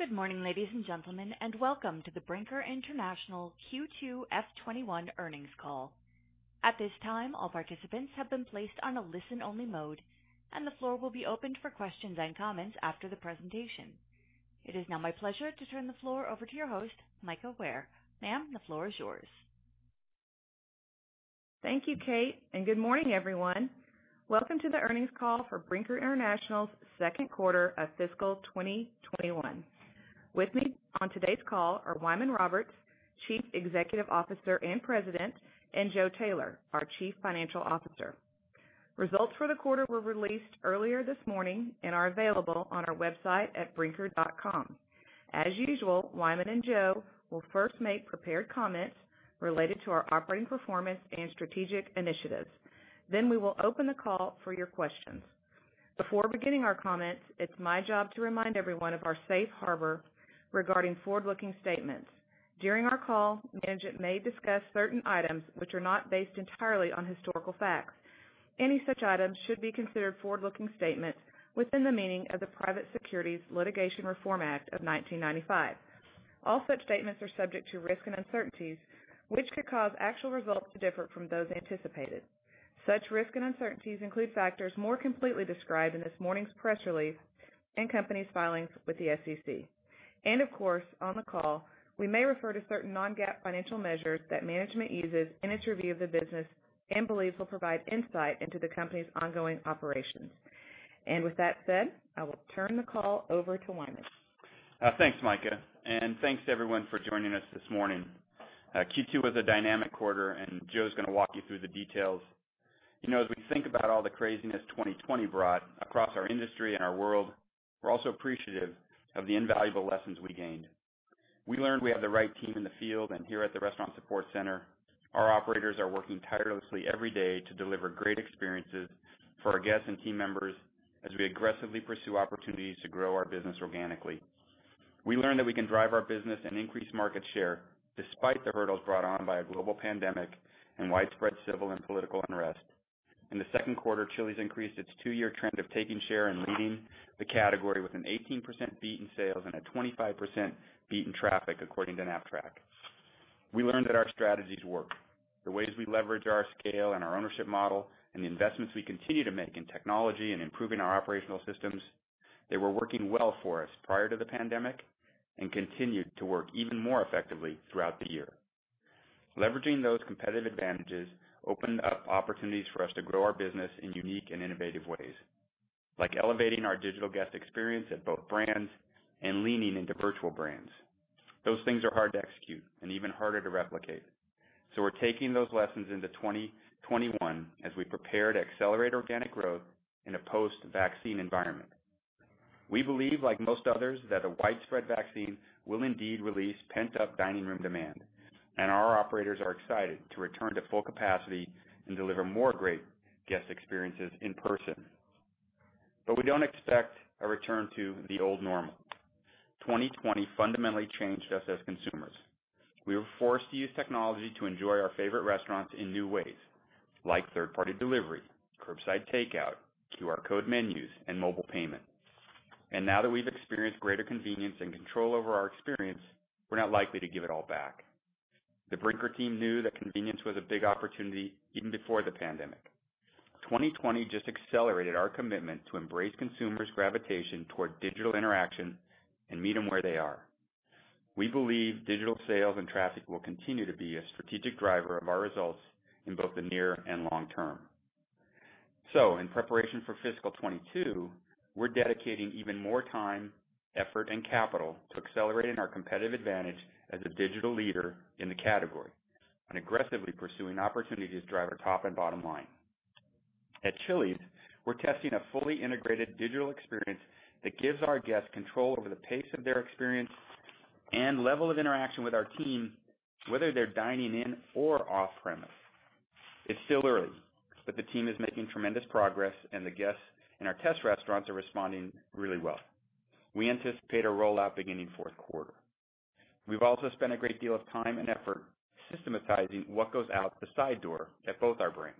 Good morning, ladies and gentlemen, and welcome to the Brinker International Q2 FY 2021 earnings call. At this time, all participants have been placed on a listen-only mode, and the floor will be opened for questions and comments after the presentation. It is now my pleasure to turn the floor over to your host, Mika Ware. Ma'am, the floor is yours. Thank you, Kate. Good morning, everyone. Welcome to the earnings call for Brinker International's second quarter of fiscal 2021. With me on today's call are Wyman Roberts, Chief Executive Officer and President, and Joe Taylor, our Chief Financial Officer. Results for the quarter were released earlier this morning and are available on our website at brinker.com. As usual, Wyman and Joe will first make prepared comments related to our operating performance and strategic initiatives. We will open the call for your questions. Before beginning our comments, it's my job to remind everyone of our Safe Harbor regarding forward-looking statements. During our call, management may discuss certain items which are not based entirely on historical facts. Any such items should be considered forward-looking statements within the meaning of the Private Securities Litigation Reform Act of 1995. All such statements are subject to risks and uncertainties, which could cause actual results to differ from those anticipated. Such risks and uncertainties include factors more completely described in this morning's press release and company's filings with the SEC. Of course, on the call, we may refer to certain non-GAAP financial measures that management uses in its review of the business and believes will provide insight into the company's ongoing operations. With that said, I will turn the call over to Wyman. Thanks, Mika, and thanks to everyone for joining us this morning. Q2 was a dynamic quarter, and Joe's going to walk you through the details. As we think about all the craziness 2020 brought across our industry and our world, we're also appreciative of the invaluable lessons we gained. We learned we have the right team in the field and here at the restaurant support center. Our operators are working tirelessly every day to deliver great experiences for our guests and team members as we aggressively pursue opportunities to grow our business organically. We learned that we can drive our business and increase market share despite the hurdles brought on by a global pandemic and widespread civil and political unrest. In the second quarter, Chili's increased its two-year trend of taking share and leading the category with an 18% beat in sales and a 25% beat in traffic, according to KNAPP-TRACK. We learned that our strategies work. The ways we leverage our scale and our ownership model and the investments we continue to make in technology and improving our operational systems, they were working well for us prior to the pandemic and continued to work even more effectively throughout the year. Leveraging those competitive advantages opened up opportunities for us to grow our business in unique and innovative ways, like elevating our digital guest experience at both brands and leaning into virtual brands. Those things are hard to execute and even harder to replicate. We're taking those lessons into 2021 as we prepare to accelerate organic growth in a post-vaccine environment. We believe, like most others, that a widespread vaccine will indeed release pent-up dining room demand, and our operators are excited to return to full capacity and deliver more great guest experiences in person. We don't expect a return to the old normal. 2020 fundamentally changed us as consumers. We were forced to use technology to enjoy our favorite restaurants in new ways, like third-party delivery, curbside takeout, QR code menus, and mobile payment. Now that we've experienced greater convenience and control over our experience, we're not likely to give it all back. The Brinker team knew that convenience was a big opportunity even before the pandemic. 2020 just accelerated our commitment to embrace consumers' gravitation toward digital interaction and meet them where they are. We believe digital sales and traffic will continue to be a strategic driver of our results in both the near and long-term. In preparation for fiscal 2022, we're dedicating even more time, effort, and capital to accelerating our competitive advantage as a digital leader in the category and aggressively pursuing opportunities to drive our top and bottom line. At Chili's, we're testing a fully integrated digital experience that gives our guests control over the pace of their experience and level of interaction with our team, whether they're dining in or off-premise. It's still early, but the team is making tremendous progress, and the guests in our test restaurants are responding really well. We anticipate a rollout beginning fourth quarter. We've also spent a great deal of time and effort systematizing what goes out the side door at both our brands.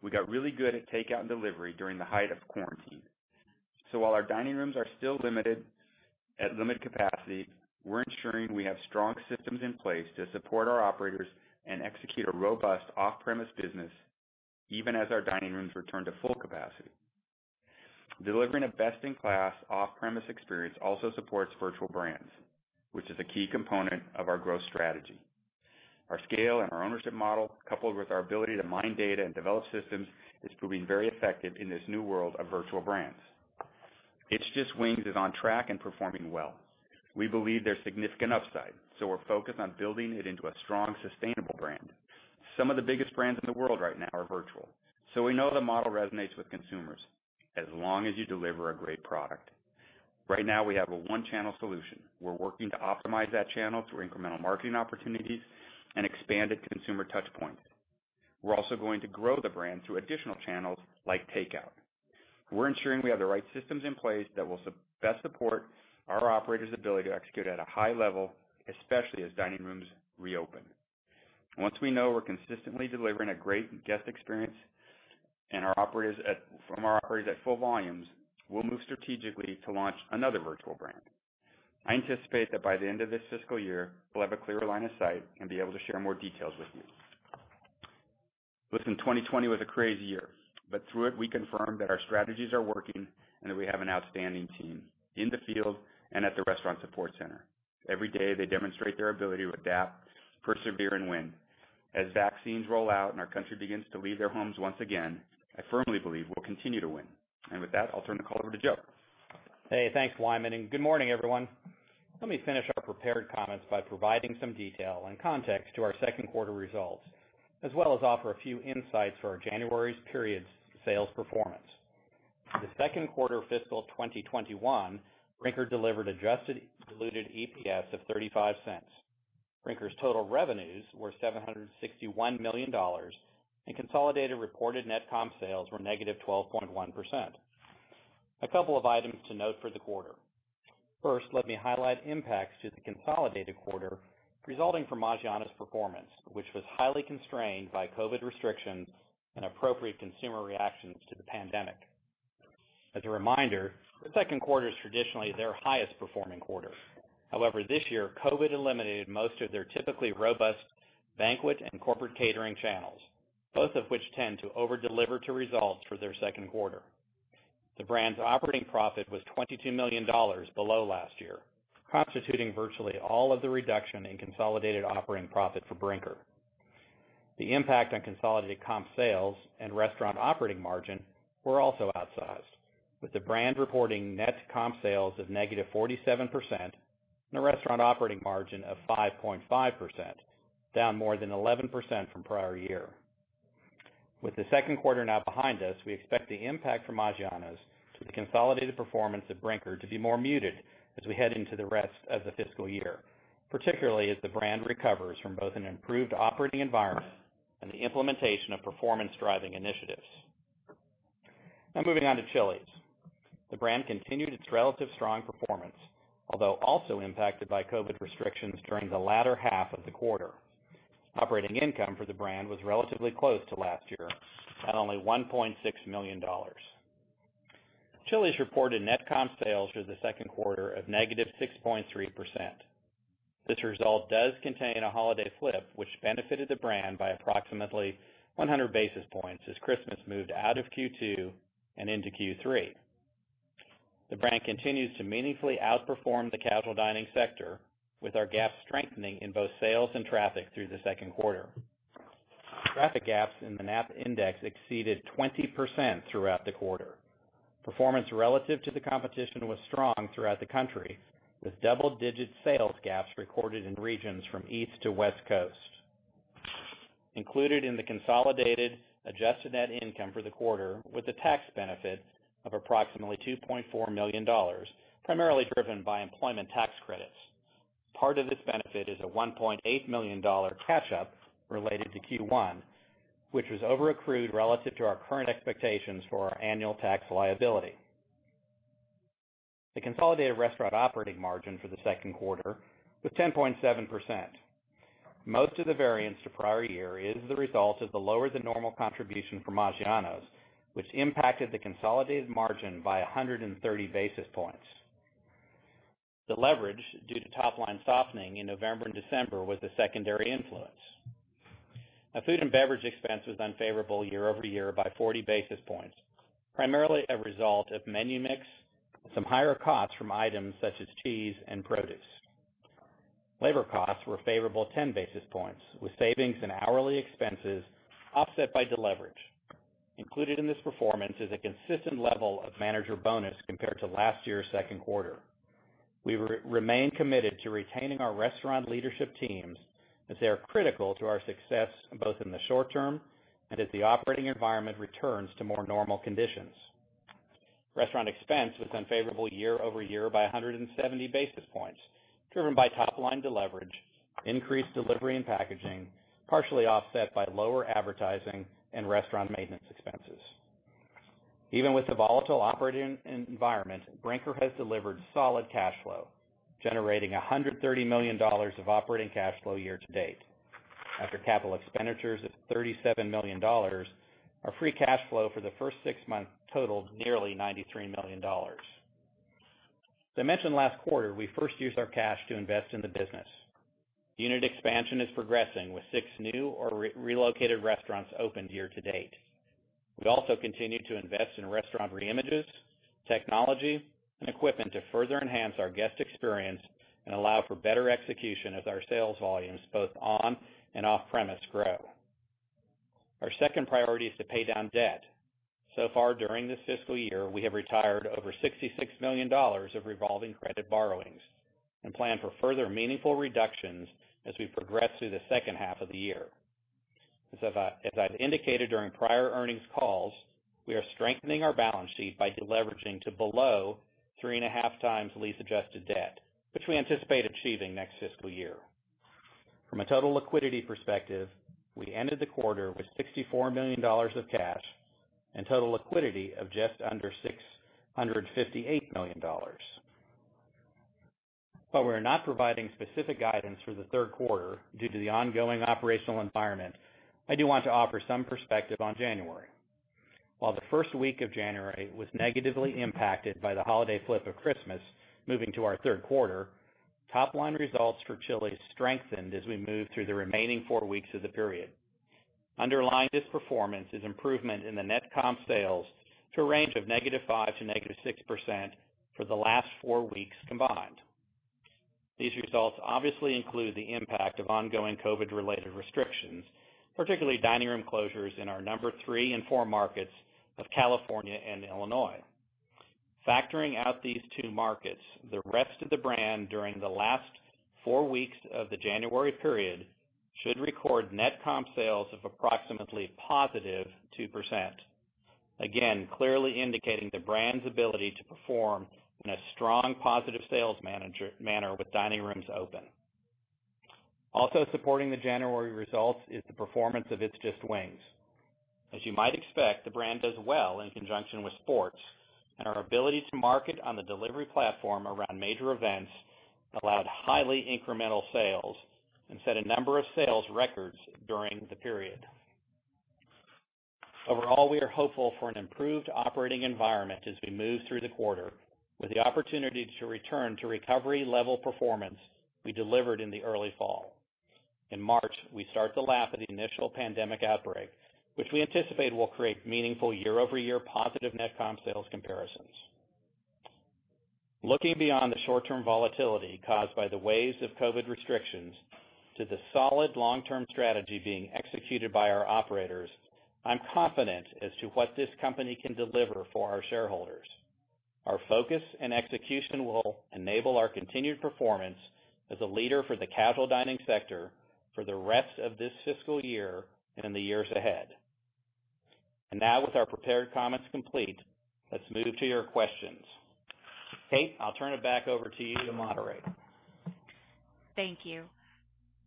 We got really good at takeout and delivery during the height of quarantine. While our dining rooms are still limited at limited capacity, we're ensuring we have strong systems in place to support our operators and execute a robust off-premise business, even as our dining rooms return to full capacity. Delivering a best-in-class off-premise experience also supports virtual brands, which is a key component of our growth strategy. Our scale and our ownership model, coupled with our ability to mine data and develop systems, is proving very effective in this new world of virtual brands. It's Just Wings is on track and performing well. We believe there's significant upside, so we're focused on building it into a strong, sustainable brand. Some of the biggest brands in the world right now are virtual. We know the model resonates with consumers as long as you deliver a great product. Right now, we have a one-channel solution. We're working to optimize that channel through incremental marketing opportunities and expanded consumer touchpoints. We're also going to grow the brand through additional channels like takeout. We're ensuring we have the right systems in place that will best support our operators' ability to execute at a high level, especially as dining rooms reopen. Once we know we're consistently delivering a great guest experience from our operators at full volumes, we'll move strategically to launch another virtual brand. I anticipate that by the end of this fiscal year, we'll have a clearer line of sight and be able to share more details with you. Listen, 2020 was a crazy year. Through it, we confirmed that our strategies are working and that we have an outstanding team in the field and at the restaurant support center. Every day, they demonstrate their ability to adapt, persevere, and win. As vaccines roll out and our country begins to leave their homes once again, I firmly believe we'll continue to win. With that, I'll turn the call over to Joe. Hey, thanks, Wyman, and good morning, everyone. Let me finish our prepared comments by providing some detail and context to our second quarter results, as well as offer a few insights for our January's period's sales performance. For the second quarter fiscal 2021, Brinker delivered adjusted diluted EPS of $0.35. Brinker's total revenues were $761 million, and consolidated reported net comp sales were -12.1%. A couple of items to note for the quarter. First, let me highlight impacts to the consolidated quarter resulting from Maggiano's performance, which was highly constrained by COVID restrictions and appropriate consumer reactions to the pandemic. As a reminder, the second quarter is traditionally their highest performing quarter. However, this year, COVID eliminated most of their typically robust banquet and corporate catering channels, both of which tend to over-deliver to results for their second quarter. The brand's operating profit was $22 million below last year, constituting virtually all of the reduction in consolidated operating profit for Brinker. The impact on consolidated comp sales and restaurant operating margin were also outsized, with the brand reporting net comp sales of -47% and a restaurant operating margin of 5.5%, down more than 11% from prior year. With the second quarter now behind us, we expect the impact from Maggiano's to the consolidated performance of Brinker to be more muted as we head into the rest of the fiscal year, particularly as the brand recovers from both an improved operating environment and the implementation of performance-driving initiatives. Now moving on to Chili's. The brand continued its relative strong performance, although also impacted by COVID restrictions during the latter half of the quarter. Operating income for the brand was relatively close to last year at only $1.6 million. Chili's reported net comp sales for the second quarter of -6.3%. This result does contain a holiday flip, which benefited the brand by approximately 100 basis points as Christmas moved out of Q2 and into Q3. The brand continues to meaningfully outperform the casual dining sector, with our gaps strengthening in both sales and traffic through the second quarter. Traffic gaps in the KNAPP index exceeded 20% throughout the quarter. Performance relative to the competition was strong throughout the country, with double-digit sales gaps recorded in regions from East to West Coasts. Included in the consolidated adjusted net income for the quarter with a tax benefit of approximately $2.4 million, primarily driven by employment tax credits. Part of this benefit is a $1.8 million catch-up related to Q1, which was overaccrued relative to our current expectations for our annual tax liability. The consolidated restaurant operating margin for the second quarter was 10.7%. Most of the variance to prior year is the result of the lower than normal contribution from Maggiano's, which impacted the consolidated margin by 130 basis points. The leverage due to top-line softening in November and December was the secondary influence. Now, food and beverage expense was unfavorable year-over-year by 40 basis points, primarily a result of menu mix, some higher costs from items such as cheese and produce. Labor costs were favorable 10 basis points, with savings in hourly expenses offset by deleverage. Included in this performance is a consistent level of manager bonus compared to last year's second quarter. We remain committed to retaining our restaurant leadership teams as they are critical to our success, both in the short-term and as the operating environment returns to more normal conditions. Restaurant expense was unfavorable year over year by 170 basis points, driven by top-line deleverage, increased delivery and packaging, partially offset by lower advertising and restaurant maintenance expenses. Even with the volatile operating environment, Brinker has delivered solid cash flow, generating $130 million of operating cash flow year-to-date. After capital expenditures of $37 million, our free cash flow for the first six months totaled nearly $93 million. As I mentioned last quarter, I first use our cash to invest in the business. Unit expansion is progressing with six new or relocated restaurants opened year-to-date. We also continue to invest in restaurant reimages, technology, and equipment to further enhance our guest experience and allow for better execution as our sales volumes both on and off-premise grow. Our second priority is to pay down debt. During this fiscal year, we have retired over $66 million of revolving credit borrowings and plan for further meaningful reductions as we progress through the second half of the year. As I've indicated during prior earnings calls, we are strengthening our balance sheet by deleveraging to below 3.5x lease-adjusted debt, which we anticipate achieving next fiscal year. From a total liquidity perspective, we ended the quarter with $64 million of cash and total liquidity of just under $658 million. While we're not providing specific guidance for the third quarter due to the ongoing operational environment, I do want to offer some perspective on January. While the first week of January was negatively impacted by the holiday flip of Christmas moving to our third quarter, top line results for Chili's strengthened as we moved through the remaining four weeks of the period. Underlying this performance is improvement in the net comp sales to a range of -5% to -6% for the last four weeks combined. These results obviously include the impact of ongoing COVID related restrictions, particularly dining room closures in our number three and four markets of California and Illinois. Factoring out these two markets, the rest of the brand during the last four weeks of the January period should record net comp sales of approximately +2%. Again, clearly indicating the brand's ability to perform in a strong positive sales manner with dining rooms open. Also supporting the January results is the performance of It's Just Wings. As you might expect, the brand does well in conjunction with sports, and our ability to market on the delivery platform around major events allowed highly incremental sales and set a number of sales records during the period. Overall, we are hopeful for an improved operating environment as we move through the quarter with the opportunity to return to recovery level performance we delivered in the early fall. In March, we start the lap of the initial pandemic outbreak, which we anticipate will create meaningful year-over-year positive net comp sales comparisons. Looking beyond the short-term volatility caused by the waves of COVID restrictions to the solid long-term strategy being executed by our operators, I'm confident as to what this company can deliver for our shareholders. Our focus and execution will enable our continued performance as a leader for the casual dining sector for the rest of this fiscal year and in the years ahead. Now with our prepared comments complete, let's move to your questions. Kate, I'll turn it back over to you to moderate. Thank you.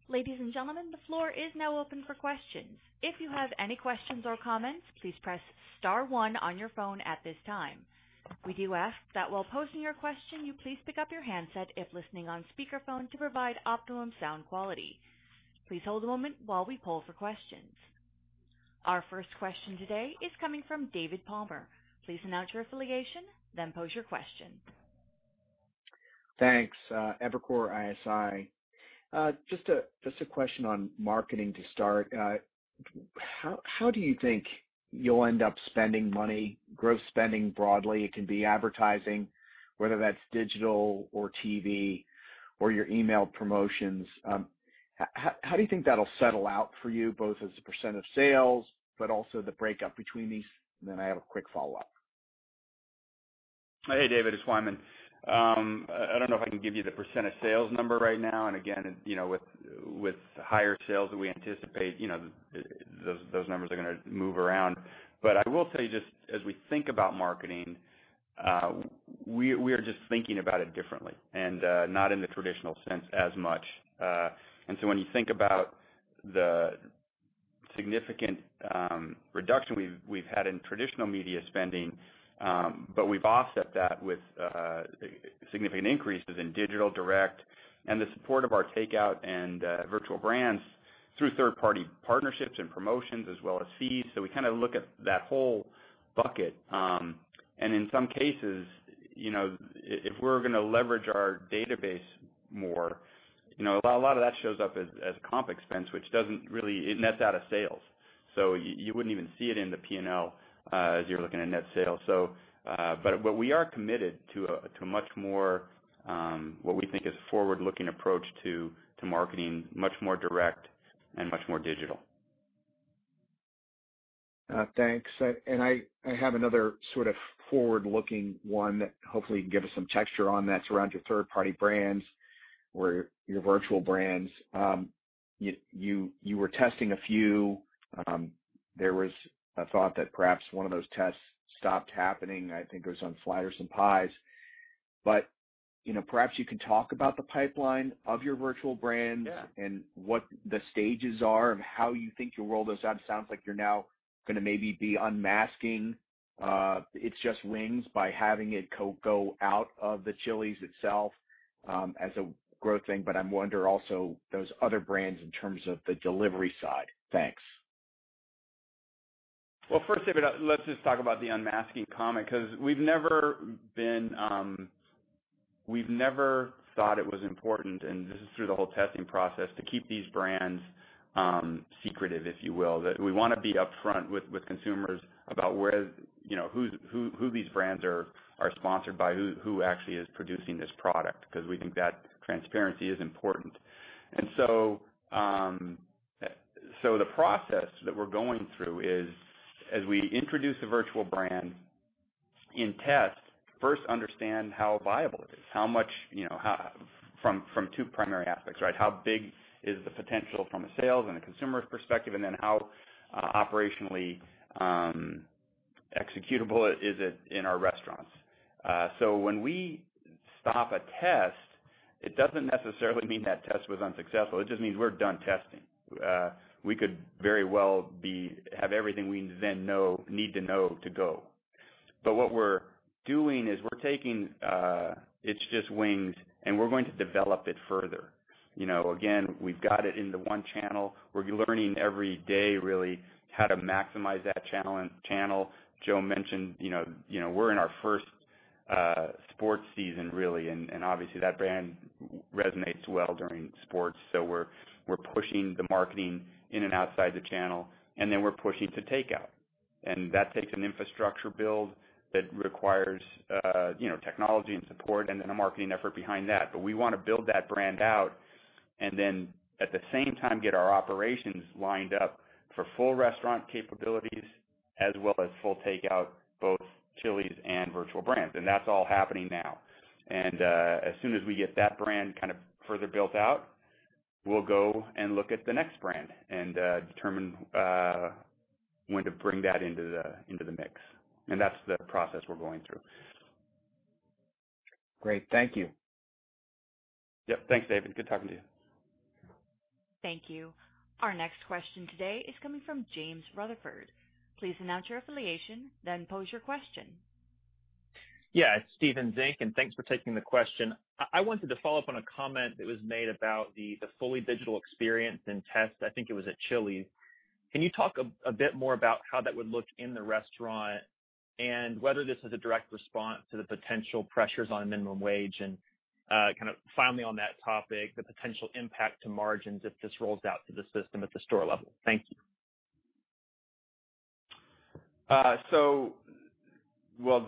Ladies and gentlemen, the floor is now open for questions. If you have any questions or comments, please press star one on your phone at this time. We do ask that while posing your question, you please pick up your handset if listening on speakerphone to provide optimum sound quality. Please hold a moment while we poll for questions. Our first question today is coming from David Palmer. Please announce your affiliation, then pose your question. Thanks. Evercore ISI. A question on marketing to start. How do you think you'll end up spending money, growth spending broadly? It can be advertising, whether that's digital or TV or your email promotions. How do you think that'll settle out for you both as a percent of sales, but also the breakup between these? I have a quick follow-up. Hey, David, it's Wyman. I don't know if I can give you the percentage of sales number right now. Again, with higher sales that we anticipate, those numbers are going to move around. I will say just as we think about marketing, we are just thinking about it differently and not in the traditional sense as much. When you think about the significant reduction we've had in traditional media spending, but we've offset that with significant increases in digital direct and the support of our takeout and virtual brands through third party partnerships and promotions as well as fees. We kind of look at that whole bucket. In some cases, if we're going to leverage our database more, a lot of that shows up as comp expense, which nets out of sales. You wouldn't even see it in the P&L as you're looking at net sales. We are committed to a much more, what we think is forward-looking approach to marketing, much more direct and much more digital. Thanks. I have another sort of forward-looking one that hopefully you can give us some texture on. That's around your third party brands or your virtual brands. You were testing a few. There was a thought that perhaps one of those tests stopped happening. I think it was on Flatirons Pies. Perhaps you can talk about the pipeline of your virtual brands? Yeah and what the stages are and how you think you'll roll those out. It sounds like you're now going to maybe be unmasking It's Just Wings by having it go out of the Chili's itself as a growth thing. I wonder also those other brands in terms of the delivery side. Thanks. Well, first, David, let's just talk about the unmasking comment, because we've never thought it was important, and this is through the whole testing process, to keep these brands secretive, if you will. We want to be upfront with consumers about who these brands are sponsored by, who actually is producing this product, because we think that transparency is important. The process that we're going through is as we introduce a virtual brand in test, first understand how viable it is. From two primary aspects. How big is the potential from a sales and a consumer's perspective, and then how operationally executable is it in our restaurants? When we stop a test, it doesn't necessarily mean that test was unsuccessful. It just means we're done testing. We could very well have everything we then need to know to go. What we're doing is we're taking It's Just Wings, and we're going to develop it further. Again, we've got it into one channel. We're learning every day really how to maximize that channel. Joe mentioned we're in our first sports season, really, obviously, that brand resonates well during sports. We're pushing the marketing in and outside the channel, we're pushing to takeout. That takes an infrastructure build that requires technology and support a marketing effort behind that. We want to build that brand out at the same time get our operations lined up for full restaurant capabilities as well as full takeout, both Chili's and virtual brands. That's all happening now. As soon as we get that brand further built out, we'll go and look at the next brand and determine when to bring that into the mix. That's the process we're going through. Great. Thank you. Yep. Thanks, David. Good talking to you. Thank you. Our next question today is coming from James Rutherford. Please announce your affiliation, then pose your question. Yeah, it's Stephens Inc. Thanks for taking the question. I wanted to follow up on a comment that was made about the fully digital experience and test, I think it was at Chili's. Can you talk a bit more about how that would look in the restaurant and whether this is a direct response to the potential pressures on minimum wage? Finally on that topic, the potential impact to margins if this rolls out to the system at the store level. Thank you. Well,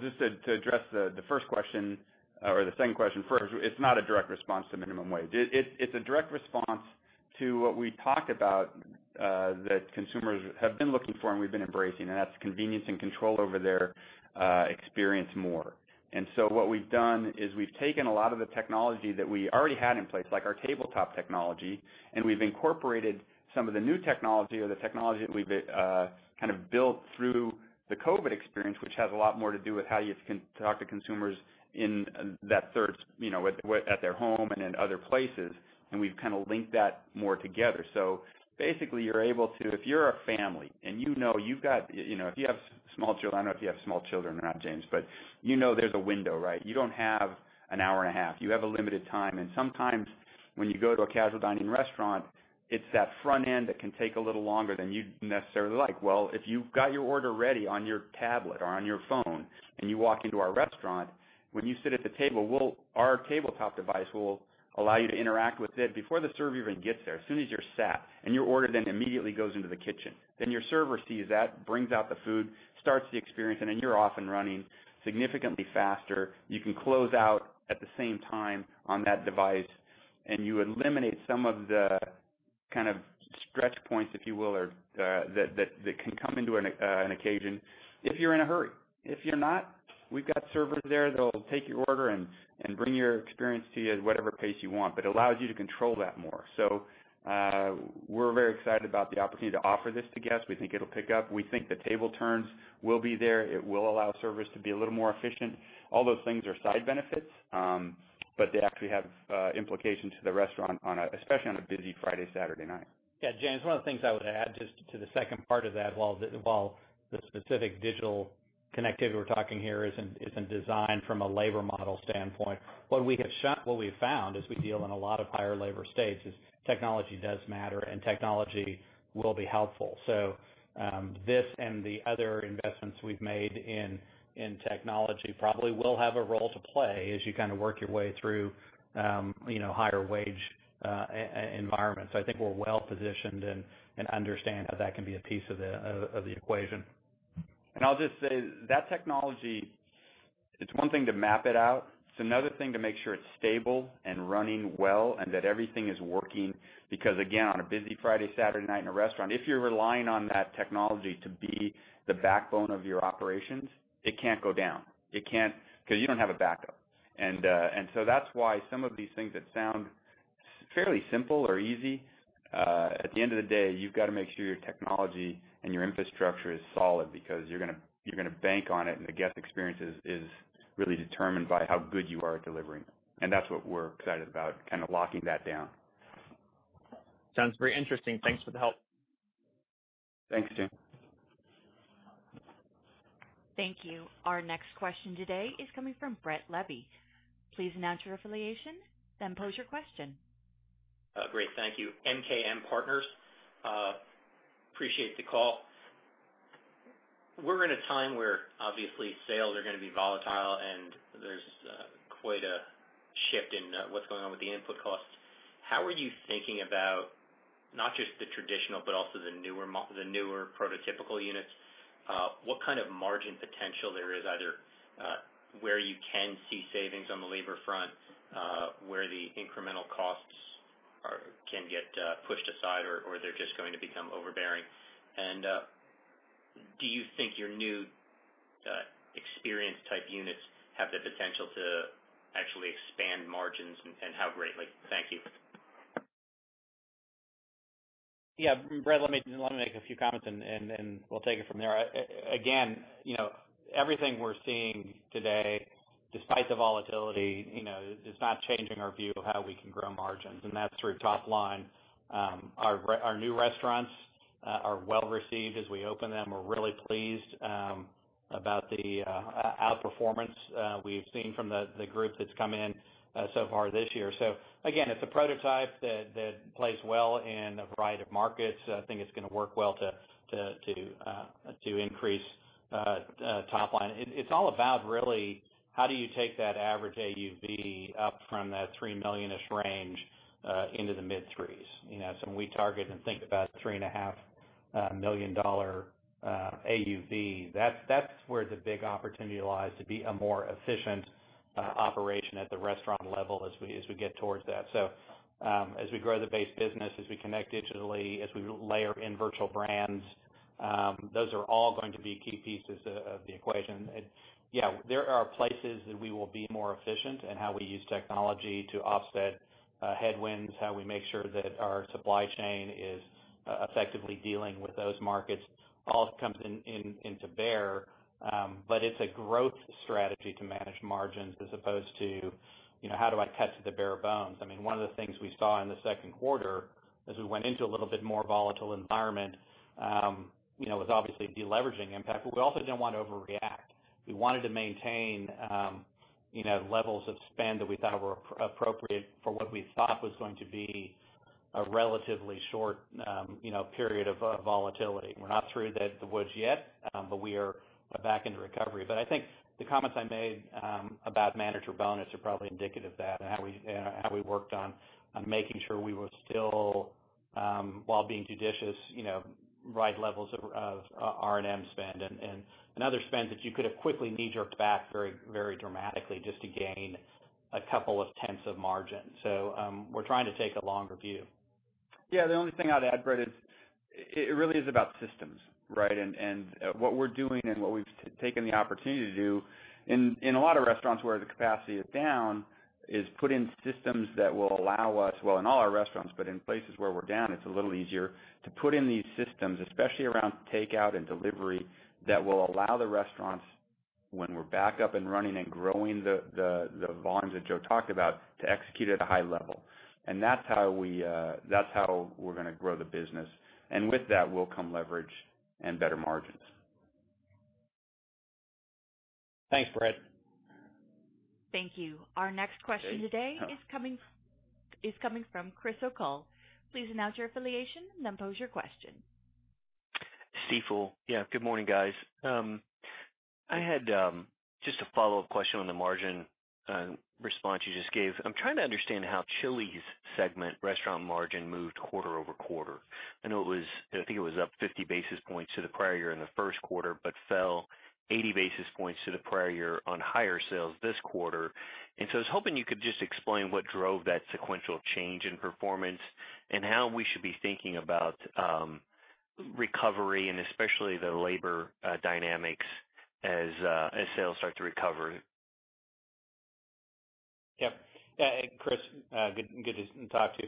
just to address the first question or the second question first, it's not a direct response to minimum wage. It's a direct response to what we talked about that consumers have been looking for and we've been embracing, and that's convenience and control over their experience more. What we've done is we've taken a lot of the technology that we already had in place, like our tabletop technology, and we've incorporated some of the new technology or the technology that we've built through the COVID experience, which has a lot more to do with how you talk to consumers at their home and in other places. We've linked that more together. Basically, if you're a family and if you have small children, I don't know if you have small children or not, James, but you know there's a window, right? You don't have an hour and a half. You have a limited time. Sometimes when you go to a casual dining restaurant, it's that front end that can take a little longer than you'd necessarily like. Well, if you've got your order ready on your tablet or on your phone and you walk into our restaurant, when you sit at the table, our tabletop device will allow you to interact with it before the server even gets there, as soon as you're sat, and your order then immediately goes into the kitchen. Your server sees that, brings out the food, starts the experience, and then you're off and running significantly faster. You can close out at the same time on that device, you eliminate some of the stretch points, if you will, that can come into an occasion if you're in a hurry. If you're not, we've got servers there that'll take your order and bring your experience to you at whatever pace you want, but allows you to control that more. We're very excited about the opportunity to offer this to guests. We think it'll pick up. We think the table turns will be there. It will allow servers to be a little more efficient. All those things are side benefits, but they actually have implications to the restaurant, especially on a busy Friday, Saturday night. Yeah, James, one of the things I would add just to the second part of that, while the specific digital connectivity we're talking here isn't designed from a labor model standpoint, what we have found as we deal in a lot of higher labor states is technology does matter and technology will be helpful. This and the other investments we've made in technology probably will have a role to play as you work your way through higher wage environments. I think we're well positioned and understand how that can be a piece of the equation. I'll just say that technology, it's one thing to map it out. It's another thing to make sure it's stable and running well and that everything is working because, again, on a busy Friday, Saturday night in a restaurant, if you're relying on that technology to be the backbone of your operations, it can't go down because you don't have a backup. That's why some of these things that sound fairly simple or easy, at the end of the day, you've got to make sure your technology and your infrastructure is solid because you're going to bank on it, and the guest experience is really determined by how good you are at delivering. That's what we're excited about, locking that down. Sounds very interesting. Thanks for the help. Thanks, James. Thank you. Our next question today is coming from Brett Levy. Please announce your affiliation, then pose your question. Great. Thank you. MKM Partners. Appreciate the call. We're in a time where obviously sales are going to be volatile and there's quite a shift in what's going on with the input costs. How are you thinking about not just the traditional but also the newer prototypical units? What kind of margin potential there is either where you can see savings on the labor front where the incremental costs can get pushed aside or they're just going to become overbearing? Do you think your new experience type units have the potential to actually expand margins and how greatly? Thank you. Yeah. Brett, let me make a few comments and we'll take it from there. Everything we're seeing today. Despite the volatility, it's not changing our view of how we can grow margins, and that's through top line. Our new restaurants are well-received as we open them. We're really pleased about the outperformance we've seen from the group that's come in so far this year. Again, it's a prototype that plays well in a variety of markets. I think it's going to work well to increase top line. It's all about really, how do you take that average AUV up from that $3 million-ish range into the mid-3s? When we target and think about $3.5 million AUV, that's where the big opportunity lies to be a more efficient operation at the restaurant level as we get towards that. As we grow the base business, as we connect digitally, as we layer in virtual brands, those are all going to be key pieces of the equation. Yeah, there are places that we will be more efficient in how we use technology to offset headwinds, how we make sure that our supply chain is effectively dealing with those markets. All comes to bear. It's a growth strategy to manage margins as opposed to how do I cut to the bare bones? One of the things we saw in the second quarter as we went into a little bit more volatile environment, was obviously a de-leveraging impact. We also didn't want to overreact. We wanted to maintain levels of spend that we thought were appropriate for what we thought was going to be a relatively short period of volatility. We're not through the woods yet, we are back into recovery. I think the comments I made about manager bonus are probably indicative of that and how we worked on making sure we were still, while being judicious, right levels of R&M spend and other spends that you could have quickly knee-jerked back very dramatically just to gain a couple of tenths of margin. We're trying to take a longer view. Yeah, the only thing I'd add, Brett, is it really is about systems, right? What we're doing and what we've taken the opportunity to do in a lot of restaurants where the capacity is down, is put in systems that will allow us, well, in all our restaurants, but in places where we're down, it's a little easier to put in these systems, especially around takeout and delivery, that will allow the restaurants when we're back up and running and growing the volumes that Joe talked about to execute at a high level. That's how we're going to grow the business. With that will come leverage and better margins. Thanks, Brett. Thank you. Our next question today is coming from Chris O'Cull. Please announce your affiliation and then pose your question. Stifel. Yeah, good morning, guys. I had just a follow-up question on the margin response you just gave. I'm trying to understand how Chili's segment restaurant margin moved quarter-over-quarter. I know it was, I think it was up 50 basis points to the prior year in the first quarter, but fell 80 basis points to the prior year on higher sales this quarter. I was hoping you could just explain what drove that sequential change in performance and how we should be thinking about recovery and especially the labor dynamics as sales start to recover. Yep. Chris, good to talk to you.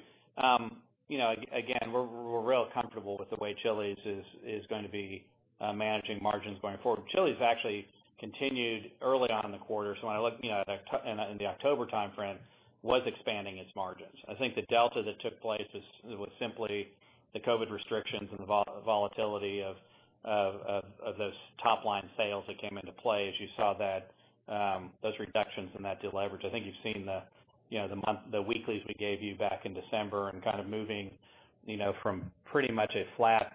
We're real comfortable with the way Chili's is going to be managing margins going forward. Chili's actually continued early on in the quarter. When I look in the October timeframe, was expanding its margins. I think the delta that took place was simply the COVID restrictions and the volatility of those top-line sales that came into play as you saw those reductions and that deleverage. I think you've seen the weeklies we gave you back in December and kind of moving from pretty much a flat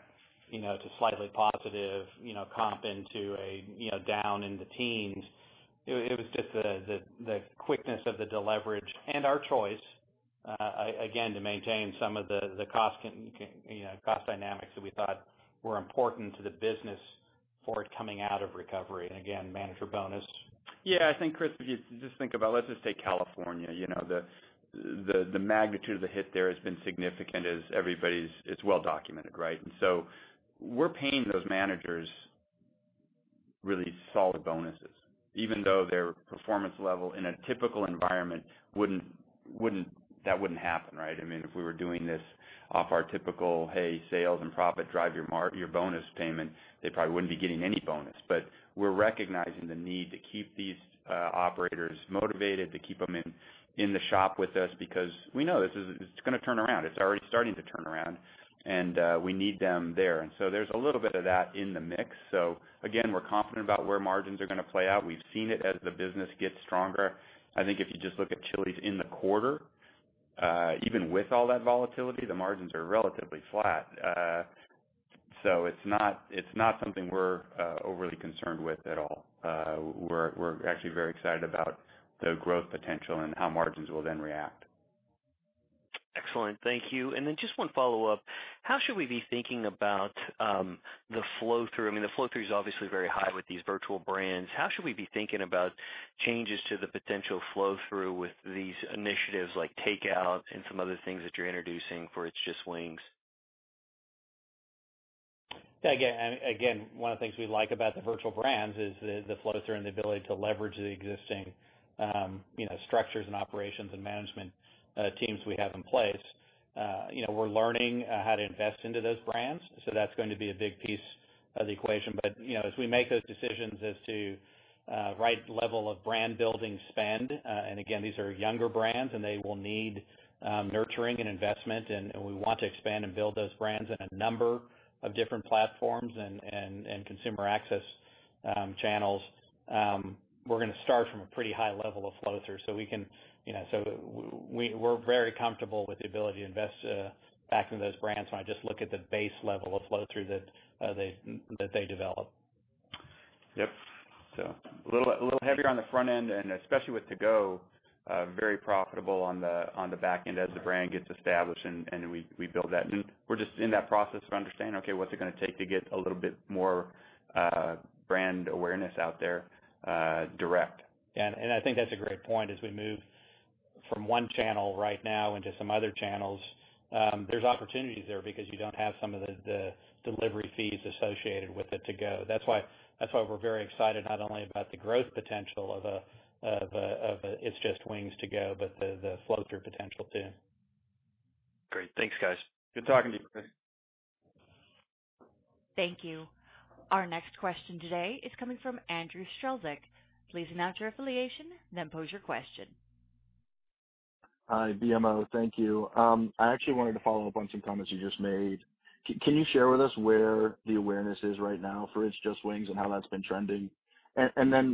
to slightly positive comp into a down in the teens. It was just the quickness of the deleverage and our choice, again, to maintain some of the cost dynamics that we thought were important to the business for it coming out of recovery. Again, manager bonus. Yeah, I think Chris, if you just think about, let's just say California. The magnitude of the hit there has been significant. It's well documented, right? We're paying those managers really solid bonuses, even though their performance level in a typical environment, that wouldn't happen. If we were doing this off our typical, Hey, sales and profit drive your bonus payment, they probably wouldn't be getting any bonus. We're recognizing the need to keep these operators motivated, to keep them in the shop with us because we know it's going to turn around. It's already starting to turn around, and we need them there. There's a little bit of that in the mix. Again, we're confident about where margins are going to play out. We've seen it as the business gets stronger. I think if you just look at Chili's in the quarter, even with all that volatility, the margins are relatively flat. It's not something we're overly concerned with at all. We're actually very excited about the growth potential and how margins will then react. Excellent. Thank you. Just one follow-up. How should we be thinking about the flow-through? The flow-through is obviously very high with these virtual brands. How should we be thinking about changes to the potential flow-through with these initiatives like takeout and some other things that you're introducing for It's Just Wings? One of the things we like about the virtual brands is the flow through and the ability to leverage the existing structures and operations and management teams we have in place. We're learning how to invest into those brands, that's going to be a big piece of the equation. As we make those decisions as to right level of brand-building spend, and again, these are younger brands, and they will need nurturing and investment, and we want to expand and build those brands in a number of different platforms and consumer access channels. We're going to start from a pretty high level of flow-through, we're very comfortable with the ability to invest back into those brands when I just look at the base level of flow-through that they develop. Yep. A little heavier on the front end and especially with To Go, very profitable on the back end as the brand gets established, and we build that. We're just in that process of understanding, okay, what's it going to take to get a little bit more brand awareness out there direct. I think that's a great point. As we move from one channel right now into some other channels, there's opportunities there because you don't have some of the delivery fees associated with the To Go. That's why we're very excited, not only about the growth potential of It's Just Wings To Go, but the flow-through potential too. Great. Thanks, guys. Good talking to you. Thank you. Our next question today is coming from Andrew Strelzik. Please announce your affiliation, then pose your question. Hi, BMO. Thank you. I actually wanted to follow up on some comments you just made. Can you share with us where the awareness is right now for It's Just Wings, and how that's been trending?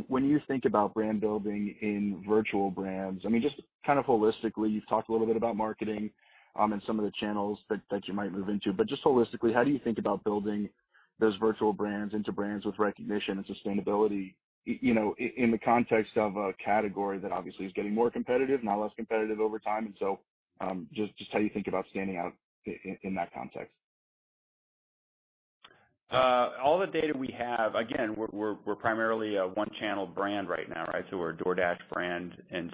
When you think about brand building in virtual brands, just kind of holistically, you've talked a little bit about marketing, and some of the channels that you might move into, but just holistically, how do you think about building those virtual brands into brands with recognition and sustainability in the context of a category that obviously is getting more competitive, not less competitive over time? Just how you think about standing out in that context. All the data we have, again, we're primarily a one-channel brand right now, right? We're a DoorDash brand,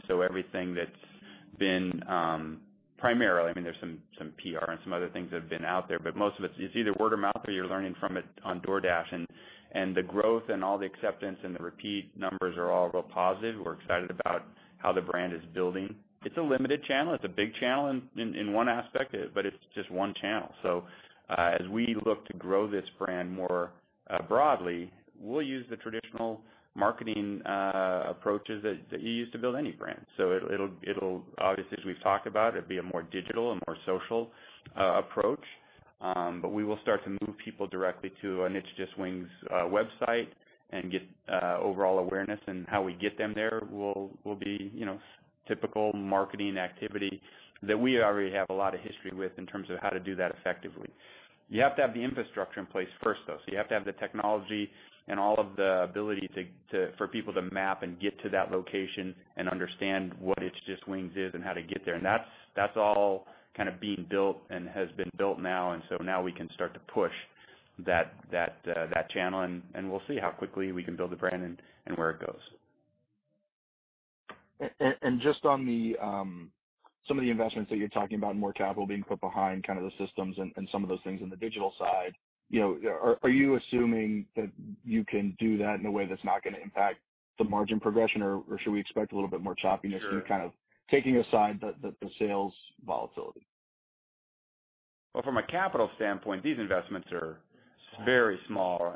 everything that's been, primarily, there's some PR and some other things that have been out there, but most of it's either word of mouth or you're learning from it on DoorDash. The growth and all the acceptance and the repeat numbers are all real positive. We're excited about how the brand is building. It's a limited channel. It's a big channel in one aspect, but it's just one channel. As we look to grow this brand more broadly, we'll use the traditional marketing approaches that you use to build any brand. It'll obviously, as we've talked about, it'd be a more digital and more social approach. We will start to move people directly to an It's Just Wings website and get overall awareness. How we get them there will be typical marketing activity that we already have a lot of history with in terms of how to do that effectively. You have to have the infrastructure in place first, though. You have to have the technology and all of the ability for people to map and get to that location and understand what It's Just Wings is and how to get there. That's all kind of being built and has been built now. Now we can start to push that channel, and we'll see how quickly we can build the brand and where it goes. Just on some of the investments that you're talking about, and more capital being put behind the systems and some of those things in the digital side, are you assuming that you can do that in a way that's not going to impact the margin progression, or should we expect a little bit more choppiness? Sure kind of taking aside the sales volatility? Well, from a capital standpoint, these investments are very small.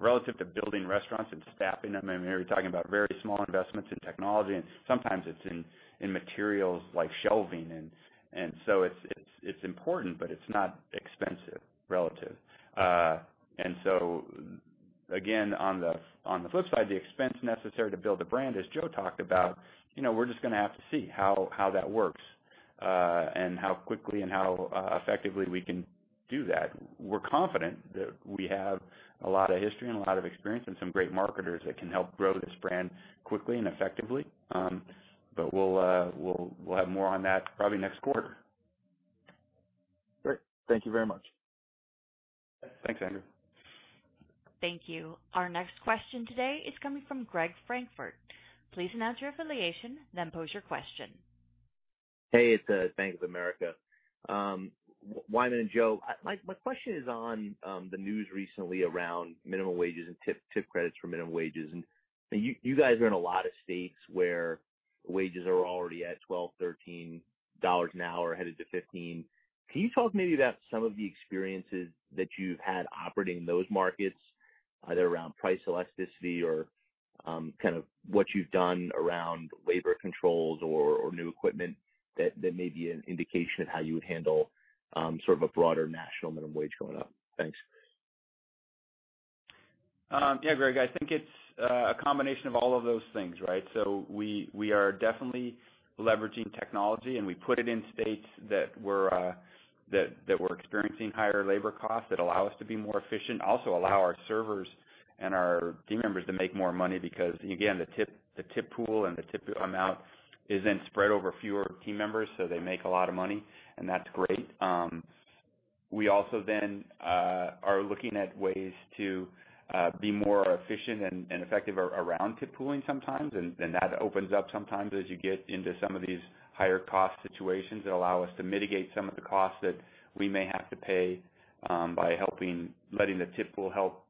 Relative to building restaurants and staffing them, and here we're talking about very small investments in technology, and sometimes it's in materials like shelving. It's important, but it's not expensive relative. Again, on the flip side, the expense necessary to build a brand, as Joe talked about, we're just going to have to see how that works, and how quickly and how effectively we can do that. We're confident that we have a lot of history and a lot of experience and some great marketers that can help grow this brand quickly and effectively. We'll have more on that probably next quarter. Great. Thank you very much. Thanks, Andrew. Thank you. Our next question today is coming from Greg Francfort. Please announce your affiliation, then pose your question. Hey, it's Bank of America. Wyman and Joe, my question is on the news recently around minimum wages and tip credits for minimum wages. You guys are in a lot of states where wages are already at $12, $13 an hour, headed to $15. Can you talk maybe about some of the experiences that you've had operating in those markets, either around price elasticity or kind of what you've done around labor controls or new equipment that may be an indication of how you would handle sort of a broader national minimum wage going up? Thanks. Yeah, Greg, I think it's a combination of all of those things, right? We are definitely leveraging technology, and we put it in states that were experiencing higher labor costs that allow us to be more efficient, also allow our servers and our team members to make more money because, again, the tip pool and the tip amount is then spread over fewer team members, so they make a lot of money, and that's great. We also then are looking at ways to be more efficient and effective around tip pooling sometimes, and that opens up sometimes as you get into some of these higher cost situations that allow us to mitigate some of the costs that we may have to pay by letting the tip pool help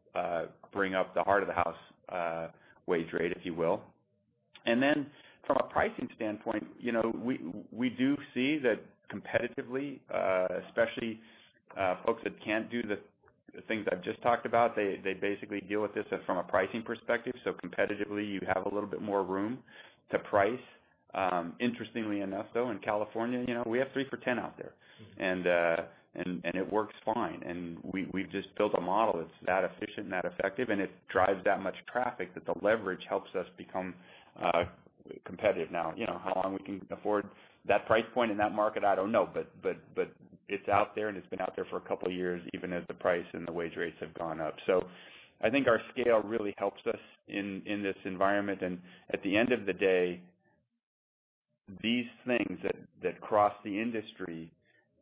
bring up the heart of the house wage rate, if you will. From a pricing standpoint, we do see that competitively, especially folks that can't do the things I've just talked about, they basically deal with this from a pricing perspective. Competitively, you have a little bit more room to price. Interestingly enough, though, in California, we have 3 For Me out there. It works fine. We've just built a model that's that efficient and that effective, and it drives that much traffic that the leverage helps us become competitive now. How long we can afford that price point in that market, I don't know. It's out there and it's been out there for a couple of years, even as the price and the wage rates have gone up. I think our scale really helps us in this environment. At the end of the day, these things that cross the industry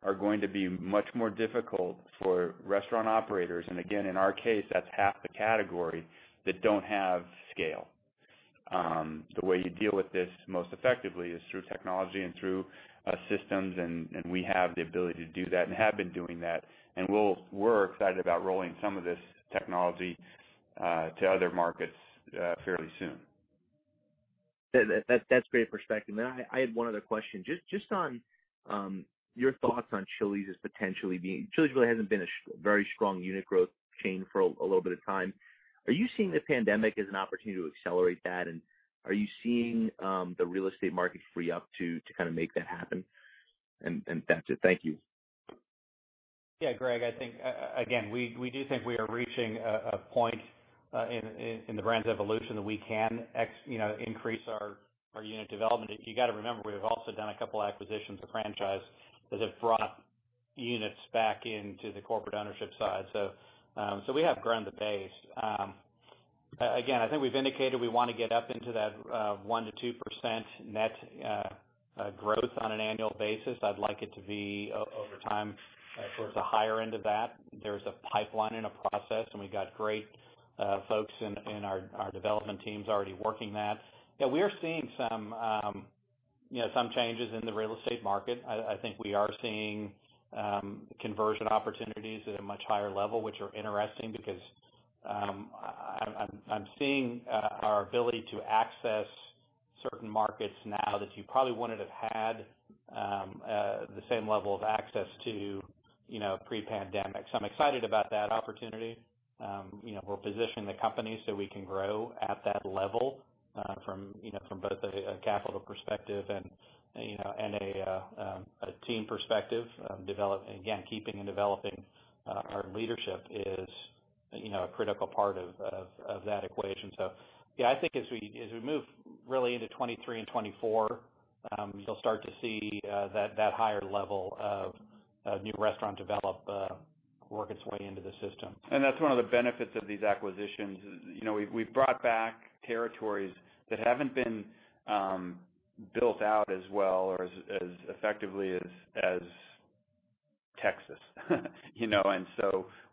are going to be much more difficult for restaurant operators. Again, in our case, that's half the category that don't have scale. The way you deal with this most effectively is through technology and through systems, and we have the ability to do that and have been doing that. We're excited about rolling some of this technology to other markets fairly soon. That's great perspective. I had one other question. Just on your thoughts on Chili's as potentially being Chili's really hasn't been a very strong unit growth chain for a little bit of time. Are you seeing the pandemic as an opportunity to accelerate that, and are you seeing the real estate market free up to kind of make that happen? That's it. Thank you. Yeah, Greg, I think, again, we do think we are reaching a point in the brand's evolution that we can increase our unit development. You got to remember, we have also done a couple acquisitions of franchise that have brought units back into the corporate ownership side. We have grown the base. Again, I think we've indicated we want to get up into that 1%-2% net growth on an annual basis. I'd like it to be, over time, towards the higher end of that. There's a pipeline and a process, and we've got great folks in our development teams already working that. Yeah, we are seeing some changes in the real estate market. I think we are seeing conversion opportunities at a much higher level, which are interesting because I'm seeing our ability to access certain markets now that you probably wouldn't have had the same level of access to pre-pandemic. I'm excited about that opportunity. We're positioning the company so we can grow at that level from both a capital perspective and a team perspective. Again, keeping and developing our leadership is a critical part of that equation. Yeah, I think as we move really into 2023 and 2024, you'll start to see that higher level of new restaurant development work its way into the system. That's one of the benefits of these acquisitions is we've brought back territories that haven't been built out as well or as effectively as Texas.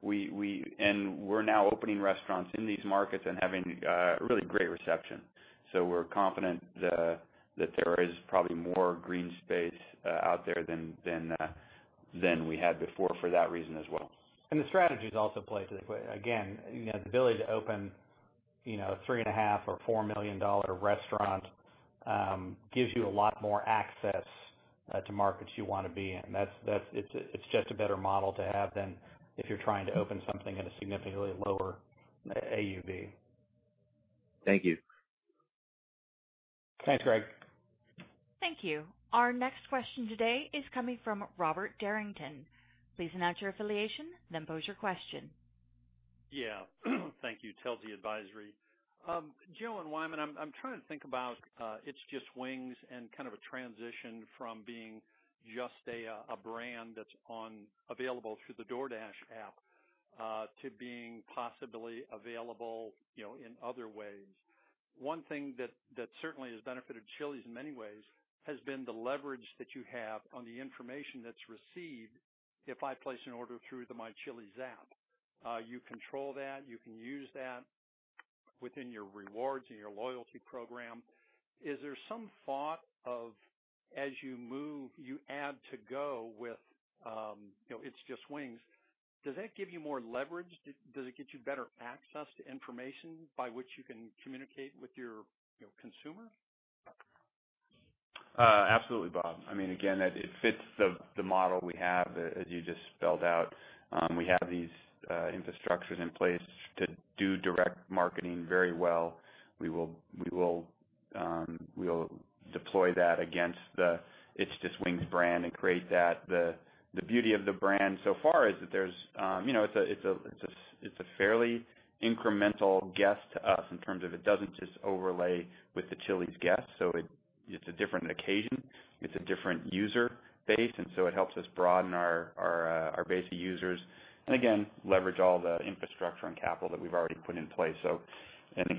We're now opening restaurants in these markets and having really great reception. We're confident that there is probably more green space out there than we had before for that reason as well. The strategy is also in place. Again, the ability to open a three and a half or $4 million restaurant gives you a lot more access to markets you want to be in. It's just a better model to have than if you're trying to open something at a significantly lower AUV. Thank you. Thanks, Greg. Thank you. Our next question today is coming from Robert Derrington. Please announce your affiliation, then pose your question. Thank you. Telsey Advisory. Joe and Wyman, I'm trying to think about It's Just Wings and kind of a transition from being just a brand that's available through the DoorDash app to being possibly available in other ways. One thing that certainly has benefited Chili's in many ways has been the leverage that you have on the information that's received if I place an order through the My Chili's app. You control that. You can use that within your rewards and your loyalty program. Is there some thought of as you add to go with It's Just Wings, does that give you more leverage? Does it get you better access to information by which you can communicate with your consumer? Absolutely, Bob. It fits the model we have, as you just spelled out. We have these infrastructures in place to do direct marketing very well. We'll deploy that against the It's Just Wings brand and create that. The beauty of the brand so far is that it's a fairly incremental guest to us in terms of it doesn't just overlay with the Chili's guest. It's a different occasion. It's a different user base, it helps us broaden our base of users. Leverage all the infrastructure and capital that we've already put in place.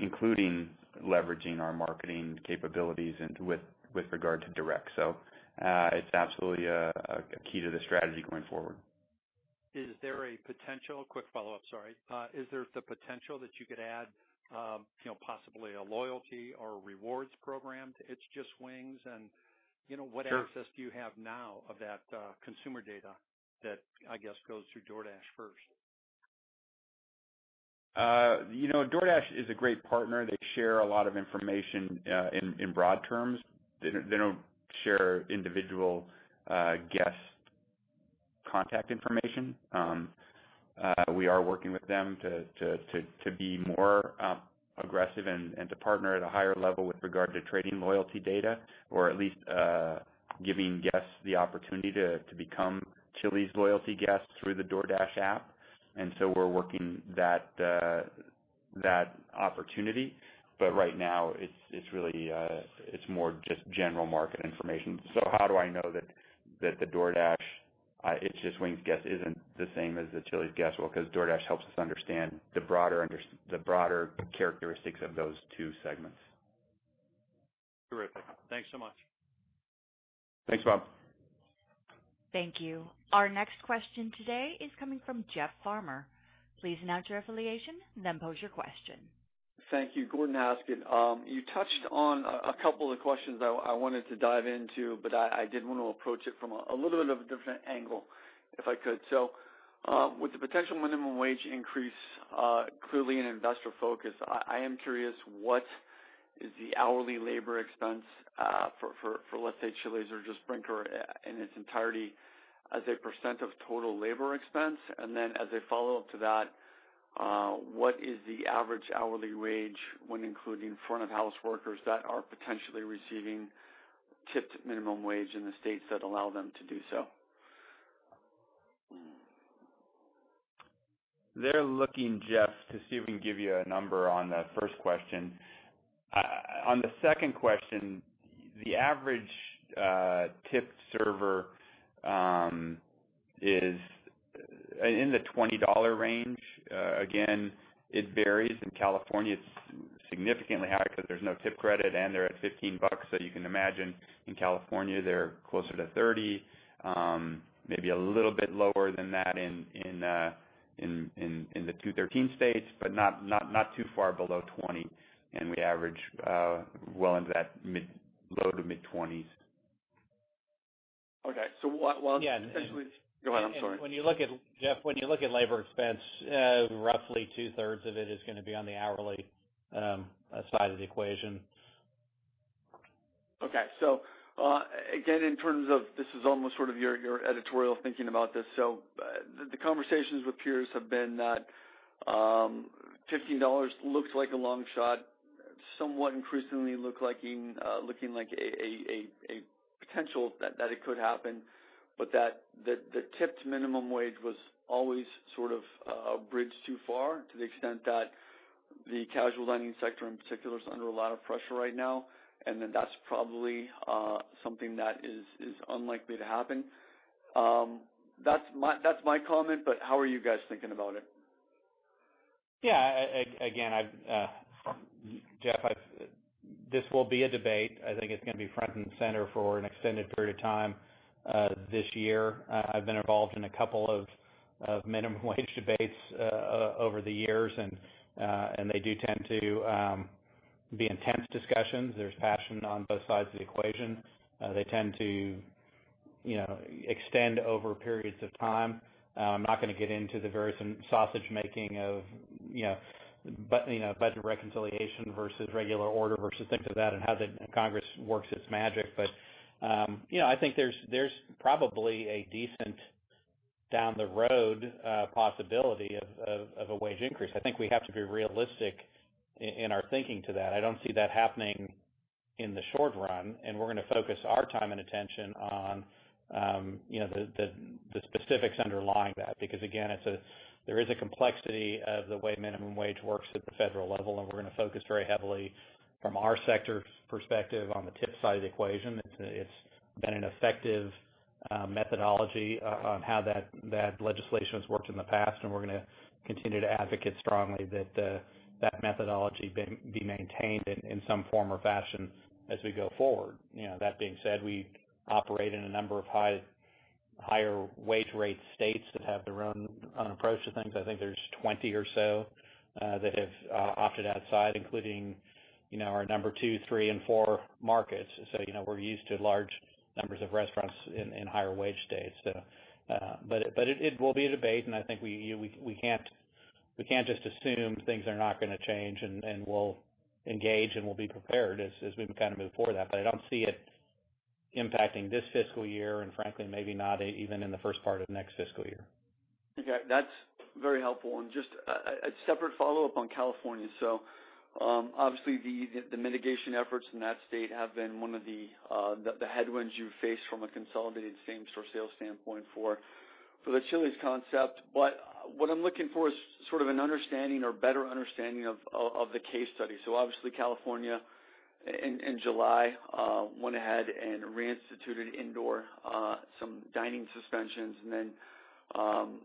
Including leveraging our marketing capabilities with regard to direct. It's absolutely a key to the strategy going forward. Quick follow-up, sorry. Is there the potential that you could add possibly a loyalty or rewards program to It's Just Wings? Sure What access do you have now of that consumer data that I guess goes through DoorDash first? DoorDash is a great partner. They share a lot of information in broad terms. They don't share individual guest contact information. We are working with them to be more aggressive and to partner at a higher level with regard to trading loyalty data or at least giving guests the opportunity to become Chili's loyalty guests through the DoorDash app. We're working that opportunity. Right now, it's more just general market information. How do I know that the DoorDash It's Just Wings guest isn't the same as the Chili's guest? Well, because DoorDash helps us understand the broader characteristics of those two segments. Terrific. Thanks so much. Thanks, Rob. Thank you. Our next question today is coming from Jeff Farmer. Please announce your affiliation, and then pose your question. Thank you. Gordon Haskett. You touched on a couple of questions I wanted to dive into, but I did want to approach it from a little bit of a different angle, if I could. With the potential minimum wage increase clearly an investor focus, I am curious, what is the hourly labor expense for, let's say, Chili's or just Brinker in its entirety as a percent of total labor expense? As a follow-up to that, what is the average hourly wage when including front of house workers that are potentially receiving tipped minimum wage in the states that allow them to do so? They're looking, Jeff, to see if we can give you a number on that first question. On the second question, the average tipped server is in the $20 range. Again, it varies. In California, it's significantly higher because there's no tip credit, and they're at $15. You can imagine in California, they're closer to $30, maybe a little bit lower than that in the $2.13 states, but not too far below $20. We average well into that low to mid-20s. Okay. Yeah. Go ahead. I'm sorry. Jeff, when you look at labor expense, roughly 2/3 of it is going to be on the hourly side of the equation. Okay. Again, in terms of, this is almost sort of your editorial thinking about this. The conversations with peers have been that $15 looks like a long shot, somewhat increasingly looking like a potential that it could happen, but that the tipped minimum wage was always sort of a bridge too far to the extent that the casual dining sector in particular is under a lot of pressure right now, and then that's probably something that is unlikely to happen. That's my comment, how are you guys thinking about it? Yeah. Again, Jeff, this will be a debate. I think it's going to be front and center for an extended period of time this year. I've been involved in a couple of minimum wage debates over the years. They do tend to be intense discussions. There's passion on both sides of the equation. They tend to extend over periods of time. I'm not going to get into the various sausage making of budget reconciliation versus regular order versus things like that and how the Congress works its magic. I think there's probably a decent down the road possibility of a wage increase. I think we have to be realistic in our thinking to that. I don't see that happening in the short run. We're going to focus our time and attention on the specifics underlying that. Because, again, there is a complexity of the way minimum wage works at the federal level, and we're going to focus very heavily from our sector's perspective on the tip side of the equation. It's been an effective methodology on how that legislation has worked in the past, and we're going to continue to advocate strongly that that methodology be maintained in some form or fashion as we go forward. That being said, we operate in a number of higher wage rate states that have their own approach to things. I think there's 20 or so that have opted outside, including our number two, three, and four markets. We're used to large numbers of restaurants in higher wage states. It will be a debate, and I think we can't just assume things are not going to change, and we'll engage, and we'll be prepared as we kind of move forward with that. I don't see it impacting this fiscal year, and frankly, maybe not even in the first part of next fiscal year. Okay. That's very helpful. Just a separate follow-up on California. Obviously, the mitigation efforts in that state have been one of the headwinds you face from a consolidated same-store sales standpoint for the Chili's concept. What I'm looking for is sort of an understanding or better understanding of the case study. Obviously, California in July went ahead and reinstituted indoor, some dining suspensions, and then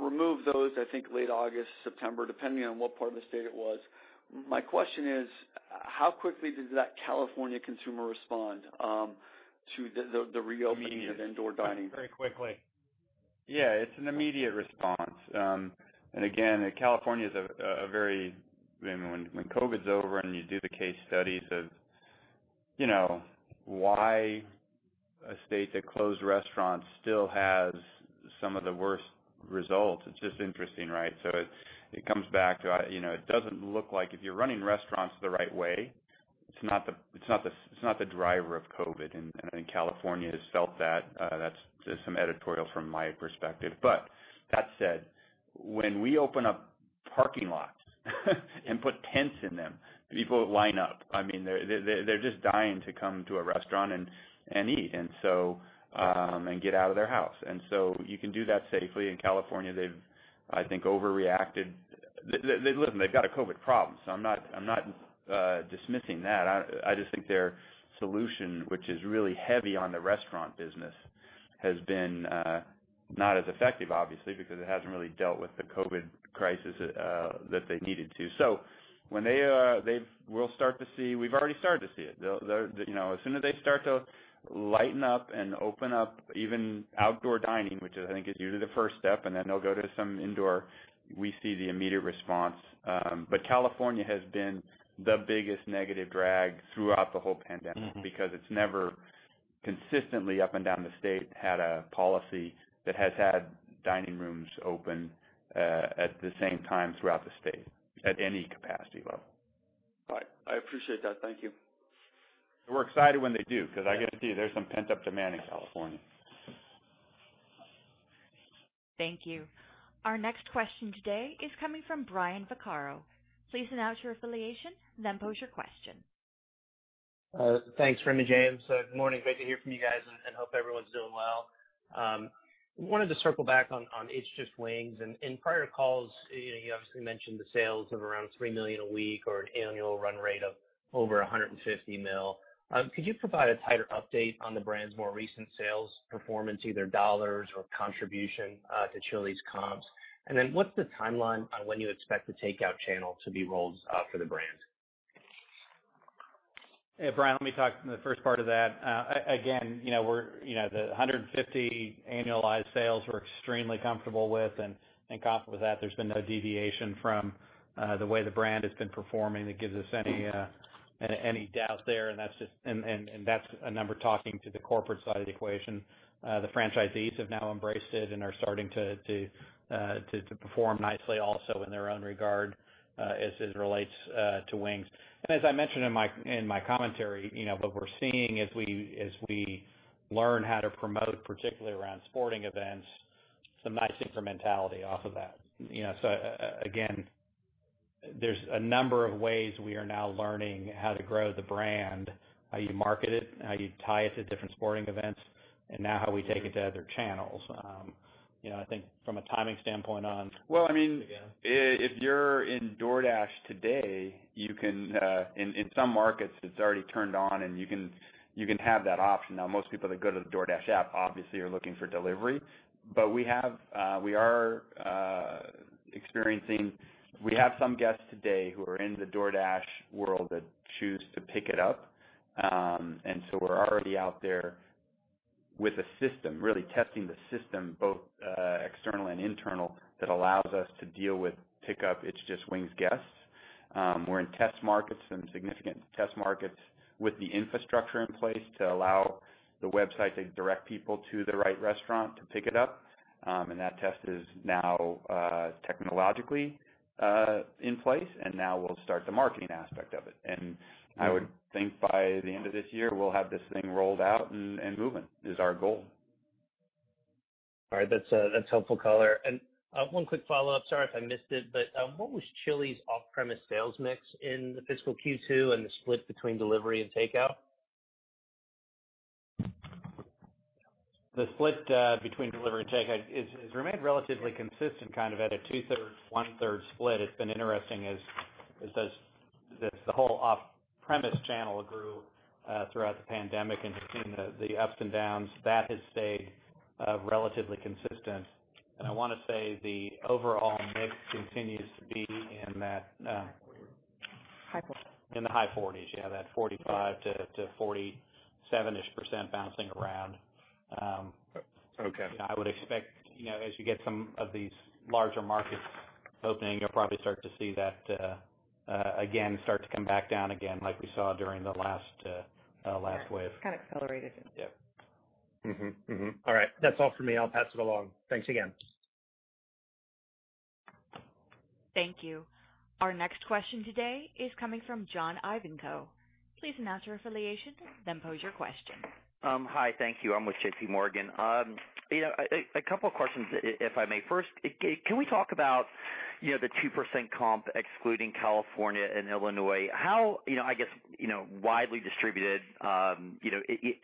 removed those, I think, late August, September, depending on what part of the state it was. My question is, how quickly does that California consumer respond to the reopening? Immediate of indoor dining? Very quickly. Yeah, it's an immediate response. Again, California is a very When COVID's over and you do the case studies of why a state that closed restaurants still has some of the worst results? It's just interesting, right? It comes back to, it doesn't look like if you're running restaurants the right way, it's not the driver of COVID, and California has felt that. That's just some editorial from my perspective. That said, when we open up parking lots and put tents in them, people line up. They're just dying to come to a restaurant and eat, and get out of their house. You can do that safely. In California, they've, I think, overreacted. Listen, they've got a COVID problem, so I'm not dismissing that. I just think their solution, which is really heavy on the restaurant business, has been not as effective, obviously, because it hasn't really dealt with the COVID crisis that they needed to. We've already started to see it. As soon as they start to lighten up and open up even outdoor dining, which I think is usually the first step, and then they'll go to some indoor, we see the immediate response. California has been the biggest negative drag throughout the whole pandemic because it's never consistently, up and down the state, had a policy that has had dining rooms open at the same time throughout the state at any capacity level. All right. I appreciate that. Thank you. We're excited when they do, because I guarantee there's some pent-up demand in California. Thank you. Our next question today is coming from Brian Vaccaro. Please announce your affiliation, then pose your question. Thanks, Raymond James Good morning. Great to hear from you guys, and hope everyone's doing well. I wanted to circle back on It's Just Wings. In prior calls, you obviously mentioned the sales of around $3 million a week or an annual run rate of over $150 million. Could you provide a tighter update on the brand's more recent sales performance, either dollars or contribution to Chili's comps? What's the timeline on when you expect the takeout channel to be rolled out for the brand? Hey, Brian, let me talk to the first part of that. The $150 million annualized sales we're extremely comfortable with and confident that there's been no deviation from the way the brand has been performing that gives us any doubt there, and that's a number talking to the corporate side of the equation. The franchisees have now embraced it and are starting to perform nicely also in their own regard as it relates to wings. As I mentioned in my commentary, what we're seeing as we learn how to promote, particularly around sporting events, some nice incrementality off of that. There's a number of ways we are now learning how to grow the brand, how you market it, how you tie it to different sporting events, and now how we take it to other channels. I think from a timing standpoint. Well, if you're in DoorDash today, in some markets it's already turned on and you can have that option. Most people that go to the DoorDash app obviously are looking for delivery. We are experiencing. We have some guests today who are in the DoorDash world that choose to pick it up. We're already out there with a system, really testing the system, both external and internal, that allows us to deal with pickup It's Just Wings guests. We're in test markets and significant test markets with the infrastructure in place to allow the website to direct people to the right restaurant to pick it up, and that test is now technologically in place, and now we'll start the marketing aspect of it. I would think by the end of this year, we'll have this thing rolled out and moving, is our goal. All right. That's helpful color. One quick follow-up. Sorry if I missed it, but what was Chili's off-premise sales mix in the fiscal Q2 and the split between delivery and takeout? The split between delivery and takeout has remained relatively consistent, kind of at a two-thirds, one-third split. It's been interesting as the whole off-premise channel grew throughout the pandemic and has seen the ups and downs. That has stayed relatively consistent. I want to say the overall mix continues to be in that. High 40s. in the high 40s. Yeah, that 45%-47%-ish bouncing around. Okay. I would expect, as you get some of these larger markets opening, you'll probably start to see that again start to come back down again like we saw during the last wave. Kind of accelerated it. Yeah. All right. That's all for me. I'll pass it along. Thanks again. Thank you. Our next question today is coming from John Ivankoe. Please announce your affiliation, then pose your question. Hi, thank you. I'm with JPMorgan. A couple of questions, if I may. First, can we talk about the 2% comp excluding California and Illinois? How widely distributed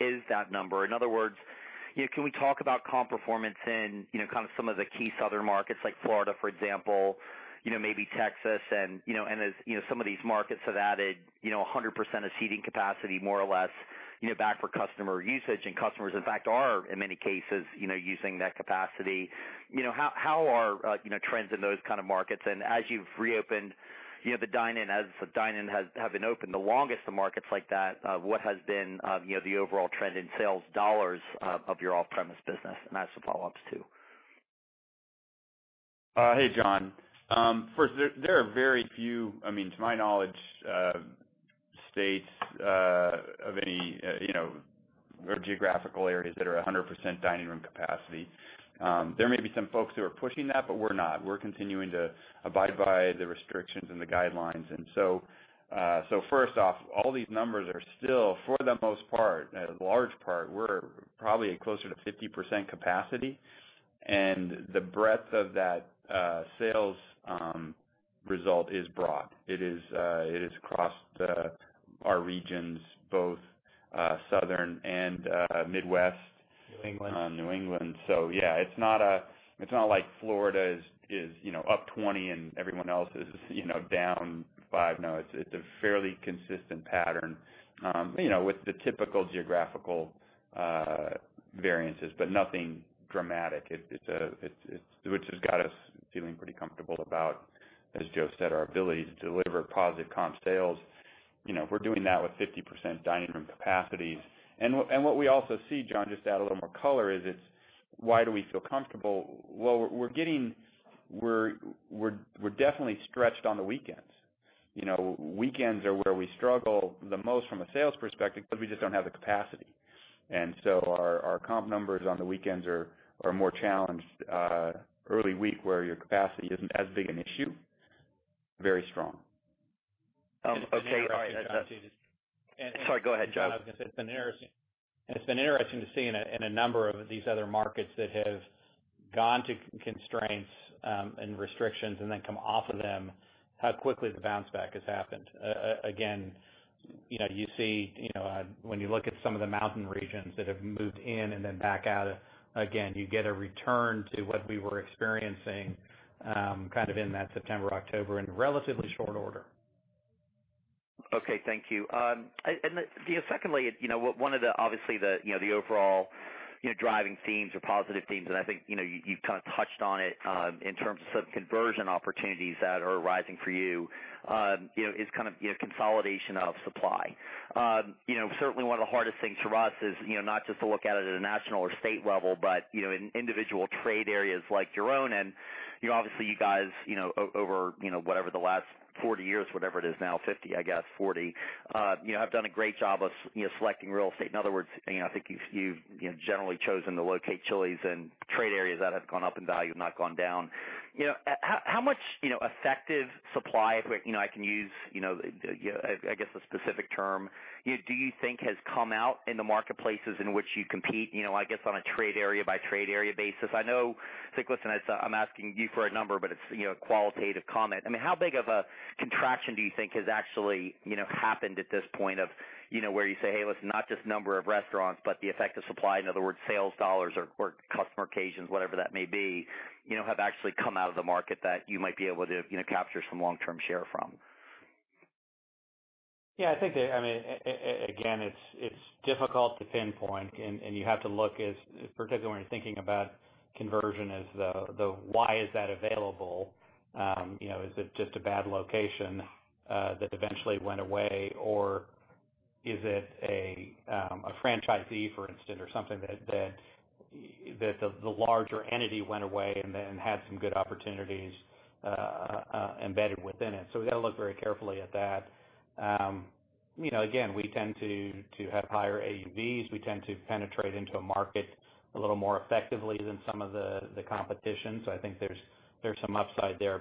is that number? In other words, can we talk about comp performance in some of the key southern markets like Florida, for example, maybe Texas, and as some of these markets have added 100% of seating capacity, more or less, back for customer usage, and customers, in fact, are, in many cases, using that capacity? How are trends in those kind of markets? As you've reopened the dine-in, as the dine-in have been open the longest in markets like that, what has been the overall trend in sales dollars of your off-premise business? I have some follow-ups, too. Hey, John. There are very few, to my knowledge, states of any geographical areas that are 100% dining room capacity. There may be some folks who are pushing that, but we're not. We're continuing to abide by the restrictions and the guidelines. First off, all these numbers are still, for the most part, a large part, we're probably closer to 50% capacity. The breadth of that sales result is broad. It is across our regions, both Southern and Midwest-. New England. New England. Yeah, it's not like Florida is up 20% and everyone else is down five. It's a fairly consistent pattern, with the typical geographical variances, but nothing dramatic, which has got us feeling pretty comfortable about, as Joe said, our ability to deliver positive comp sales. We're doing that with 50% dining room capacities. What we also see, John, just to add a little more color, is it's why do we feel comfortable? Well, we're definitely stretched on the weekends. Weekends are where we struggle the most from a sales perspective because we just don't have the capacity. Our comp numbers on the weekends are more challenged. Early week, where your capacity isn't as big an issue, very strong. Okay. Sorry, go ahead, Joe. I was going to say, it's been interesting to see in a number of these other markets that have gone to constraints and restrictions and then come off of them, how quickly the bounce back has happened. Again, you see when you look at some of the mountain regions that have moved in and then back out again, you get a return to what we were experiencing kind of in that September, October in relatively short order. Okay. Thank you. Secondly, one of the obviously overall driving themes or positive themes, and I think you've kind of touched on it in terms of conversion opportunities that are arising for you, is consolidation of supply. Certainly one of the hardest things for us is not just to look at it at a national or state level, but in individual trade areas like your own. Obviously you guys over the last 40 years, whatever it is now, 50, I guess 40, have done a great job of selecting real estate. In other words, I think you've generally chosen to locate Chili's in trade areas that have gone up in value, not gone down. How much effective supply, I can use I guess a specific term, do you think has come out in the marketplaces in which you compete? I guess on a trade area by trade area basis. I know, listen, I'm asking you for a number, but it's a qualitative comment. How big of a contraction do you think has actually happened at this point of where you say, Hey, listen, not just number of restaurants, but the effect of supply. In other words, sales dollars or customer occasions, whatever that may be, have actually come out of the market that you might be able to capture some long-term share from. Yeah, I think, again, it's difficult to pinpoint. You have to look at, particularly when you're thinking about conversion, is the why is that available? Is it just a bad location that eventually went away, or is it a franchisee, for instance, or something that the larger entity went away and had some good opportunities embedded within it. We've got to look very carefully at that. Again, we tend to have higher AUVs. We tend to penetrate into a market a little more effectively than some of the competition. I think there's some upside there.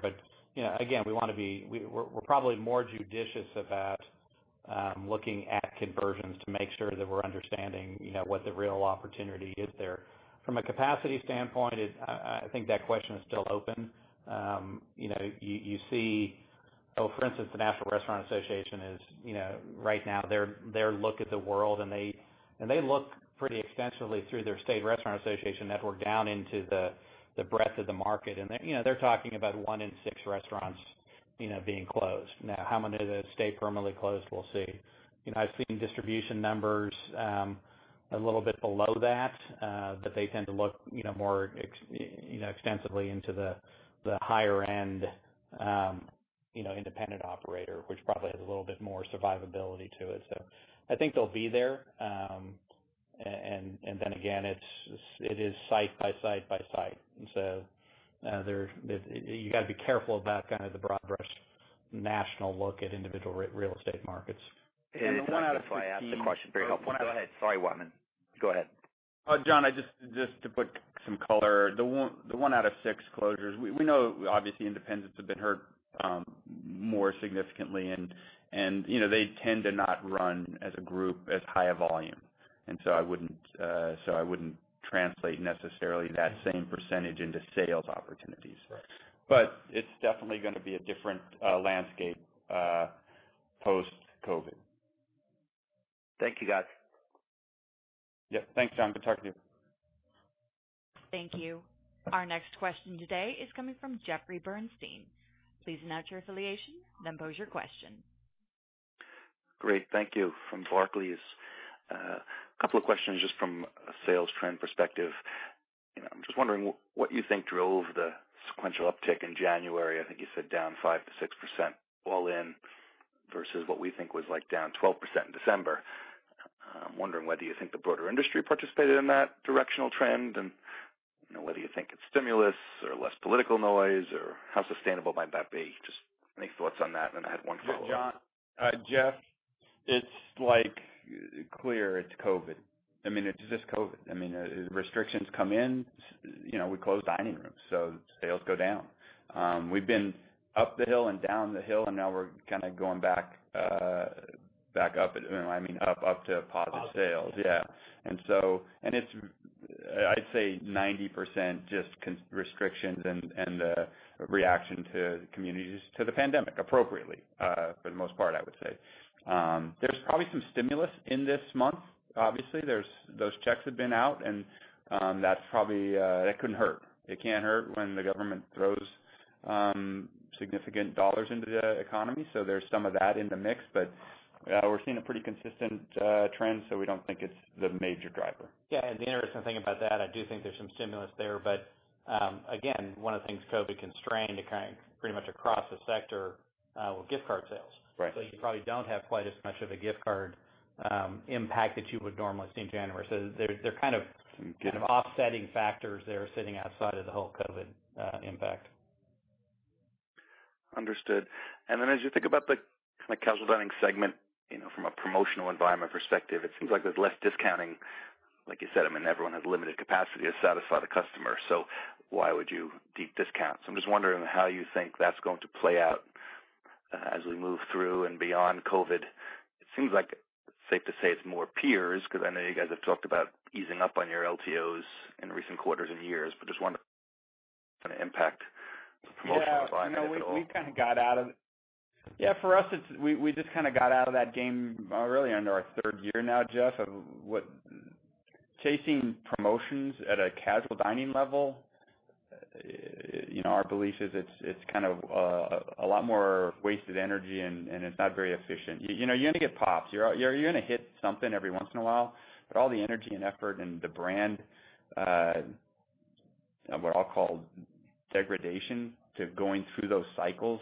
Again, we're probably more judicious about looking at conversions to make sure that we're understanding what the real opportunity is there. From a capacity standpoint, I think that question is still open. You see, for instance, the National Restaurant Association is, right now, their look at the world, and they look pretty extensively through their state restaurant association network down into the breadth of the market. They're talking about one in six restaurants being closed. Now, how many of those stay permanently closed, we'll see. I've seen distribution numbers a little bit below that. They tend to look more extensively into the higher end independent operator, which probably has a little bit more survivability to it. I think they'll be there. Again, it is site by site by site. You got to be careful about the broad brush national look at individual real estate markets. It's one out of. Sorry, I have a question. Very helpful. Go ahead. Sorry, Wyman. Go ahead. John, just to put some color, the one out of six closures, we know obviously independents have been hurt more significantly, and they tend to not run as a group as high a volume. I wouldn't translate necessarily that same percentage into sales opportunities. Right. It's definitely going to be a different landscape post-COVID. Thank you, guys. Yep. Thanks, John. Good talking to you. Thank you. Our next question today is coming from Jeffrey Bernstein. Please announce your affiliation, then pose your question. Great. Thank you. From Barclays. Couple of questions just from a sales trend perspective. I'm just wondering what you think drove the sequential uptick in January. I think you said down 5%-6% all in, versus what we think was like down 12% in December. I'm wondering whether you think the broader industry participated in that directional trend, and whether you think it's stimulus or less political noise, or how sustainable might that be? Just any thoughts on that? I had one follow-up. Yeah, John. Jeff, it's clear it's COVID. I mean, it's just COVID. The restrictions come in, we close dining rooms, so sales go down. We've been up the hill and down the hill, and now we're kind of going back up to positive sales. Up. Yeah. It's, I'd say 90% just restrictions and the reaction to the communities to the pandemic, appropriately, for the most part, I would say. There's probably some stimulus in this month. Obviously, those checks have been out and that couldn't hurt. It can't hurt when the government throws significant dollars into the economy. There's some of that in the mix, but we're seeing a pretty consistent trend, so we don't think it's the major driver. Yeah. The interesting thing about that, I do think there's some stimulus there, but again, one of the things COVID constrained pretty much across the sector, were gift card sales. Right. You probably don't have quite as much of a gift card impact that you would normally see in January. Offsetting factors there sitting outside of the whole COVID impact. Understood. Then as you think about the casual dining segment, from a promotional environment perspective, it seems like there's less discounting. Like you said, everyone has limited capacity to satisfy the customer, so why would you deep discount? I'm just wondering how you think that's going to play out as we move through and beyond COVID. It seems like it's safe to say it's more peers, because I know you guys have talked about easing up on your LTOs in recent quarters and years, but just wondering kind of impact the promotional side, if at all. For us, we just kind of got out of that game really into our third year now, Jeff, of chasing promotions at a casual dining level. Our belief is it's a lot more wasted energy and it's not very efficient. You're going to get pops. You're going to hit something every once in a while. All the energy and effort and the brand, what I'll call degradation to going through those cycles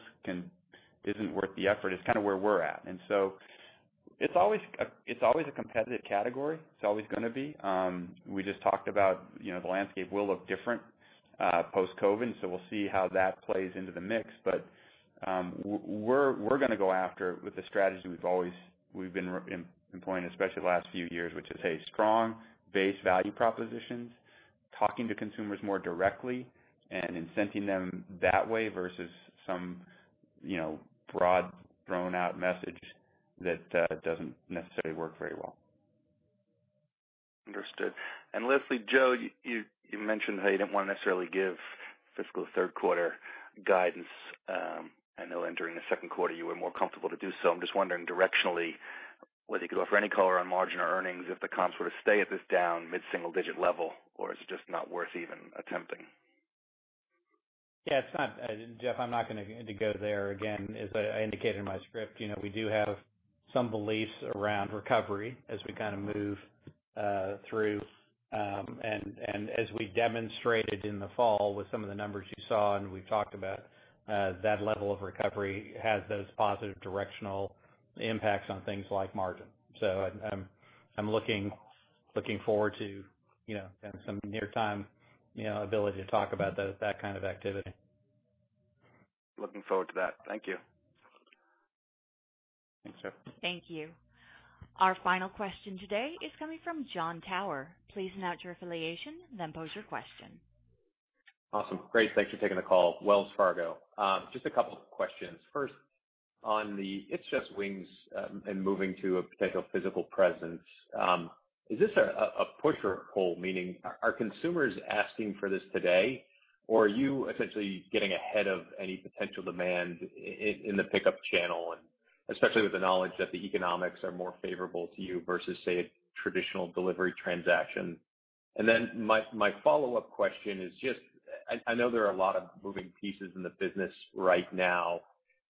isn't worth the effort, is kind of where we're at. It's always a competitive category. It's always going to be. We just talked about the landscape will look different post-COVID, we'll see how that plays into the mix. We're going to go after with the strategy we've been employing especially the last few years, which is, hey, strong base value propositions, talking to consumers more directly and incenting them that way versus some broad thrown out message that doesn't necessarily work very well. Understood. Lastly, Joe, you mentioned how you didn't want to necessarily give fiscal third quarter guidance. I know entering the second quarter, you were more comfortable to do so. I'm just wondering directionally, whether you could offer any color on margin or earnings if the comps were to stay at this down mid-single digit level, or it's just not worth even attempting. Yeah. Jeff, I'm not going to go there. Again, as I indicated in my script, we do have some beliefs around recovery as we move through. As we demonstrated in the fall with some of the numbers you saw and we've talked about, that level of recovery has those positive directional impacts on things like margin. I'm looking forward to having some near time ability to talk about that kind of activity. Looking forward to that. Thank you. Thanks, Jeff. Thank you. Our final question today is coming from Jon Tower. Please announce your affiliation, then pose your question. Awesome. Great. Thanks for taking the call. Wells Fargo. Just a couple of questions. First, on the It's Just Wings, moving to a potential physical presence. Is this a push or pull, meaning are consumers asking for this today, or are you essentially getting ahead of any potential demand in the pickup channel, and especially with the knowledge that the economics are more favorable to you versus, say, a traditional delivery transaction? My follow-up question is just, I know there are a lot of moving pieces in the business right now,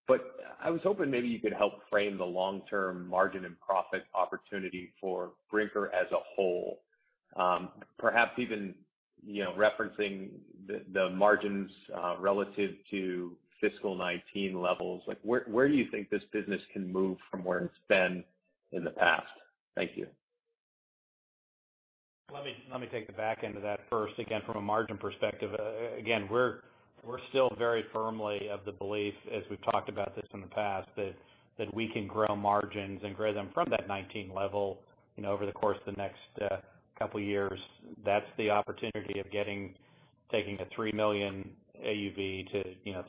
but I was hoping maybe you could help frame the long-term margin and profit opportunity for Brinker as a whole. Perhaps even referencing the margins relative to fiscal 2019 levels. Where do you think this business can move from where it's been in the past? Thank you. Let me take the back end of that first. Again, from a margin perspective, again, we're still very firmly of the belief, as we've talked about this in the past, that we can grow margins and grow them from that 2019 level over the course of the next couple of years. That's the opportunity of taking a $3 million AUV to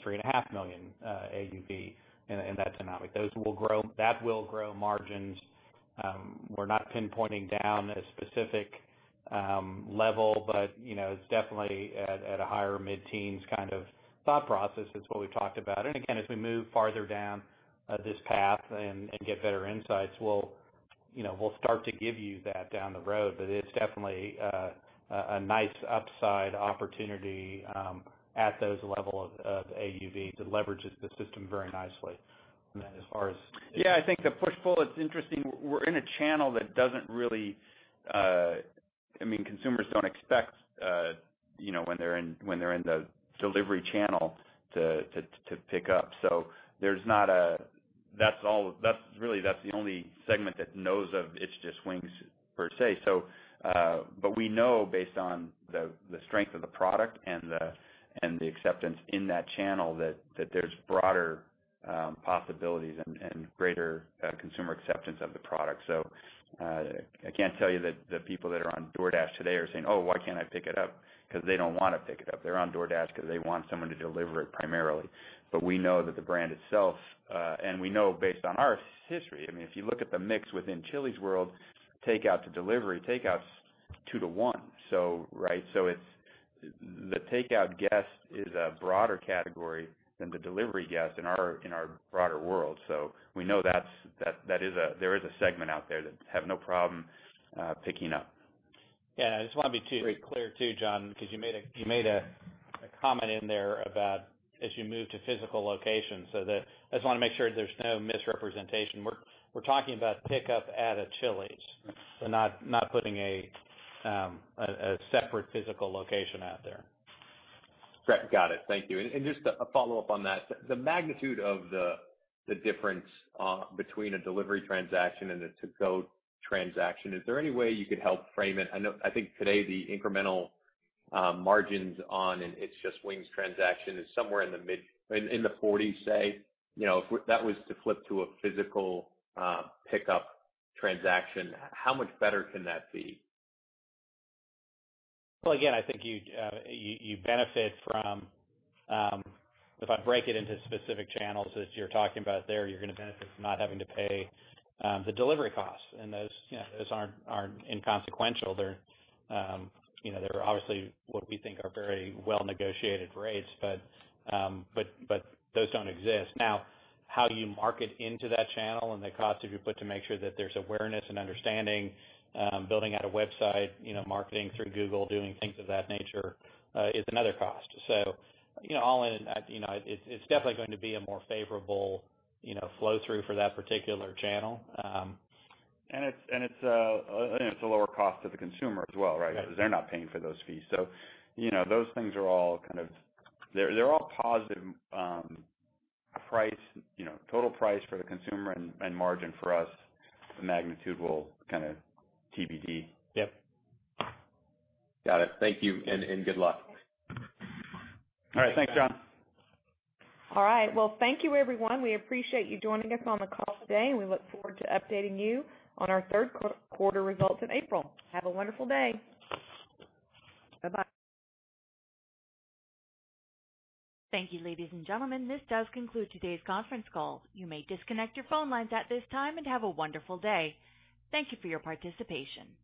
$3.5 million AUV in that dynamic. That will grow margins. We're not pinpointing down a specific level, but it's definitely at a higher mid-teens kind of thought process is what we've talked about. As we move farther down this path and get better insights, we'll start to give you that down the road. It's definitely a nice upside opportunity at those level of AUV to leverage the system very nicely. Yeah, I think the push-pull, it's interesting. We're in a channel that doesn't really. Consumers don't expect when they're in the delivery channel to pick up. Really, that's the only segment that knows of It's Just Wings per se. We know based on the strength of the product and the acceptance in that channel, that there's broader possibilities and greater consumer acceptance of the product. I can't tell you that the people that are on DoorDash today are saying, Oh, why can't I pick it up? Because they don't want to pick it up. They're on DoorDash because they want someone to deliver it primarily. We know that the brand itself, and we know based on our history, if you look at the mix within Chili's world, takeout to delivery, takeout's two to one. Right? The takeout guest is a broader category than the delivery guest in our broader world. We know there is a segment out there that have no problem picking up. I just want to be too clear too, John, because you made a comment in there about as you move to physical locations. I just want to make sure there's no misrepresentation. We're talking about pickup at a Chili's. Not putting a separate physical location out there. Got it. Thank you. Just a follow-up on that, the magnitude of the difference between a delivery transaction and a to-go transaction, is there any way you could help frame it? I think today the incremental margins on an It's Just Wings transaction is somewhere in the 40s, say. If that was to flip to a physical pickup transaction, how much better can that be? Well, again, I think you benefit from, if I break it into specific channels as you're talking about there, you're going to benefit from not having to pay the delivery costs. Those aren't inconsequential. They're obviously what we think are very well-negotiated rates. Those don't exist. Now, how do you market into that channel and the cost that you put to make sure that there's awareness and understanding, building out a website, marketing through Google, doing things of that nature, is another cost. All in, it's definitely going to be a more favorable flow through for that particular channel. It's a lower cost to the consumer as well, right? Yes. Because they're not paying for those fees. Those things are all positive total price for the consumer and margin for us. The magnitude will TBD. Yep. Got it. Thank you and good luck. All right. Thanks, John. All right. Well, thank you everyone. We appreciate you joining us on the call today, and we look forward to updating you on our third quarter results in April. Have a wonderful day. Bye-bye. Thank you, ladies and gentlemen. This does conclude today's conference call. You may disconnect your phone lines at this time, and have a wonderful day. Thank you for your participation.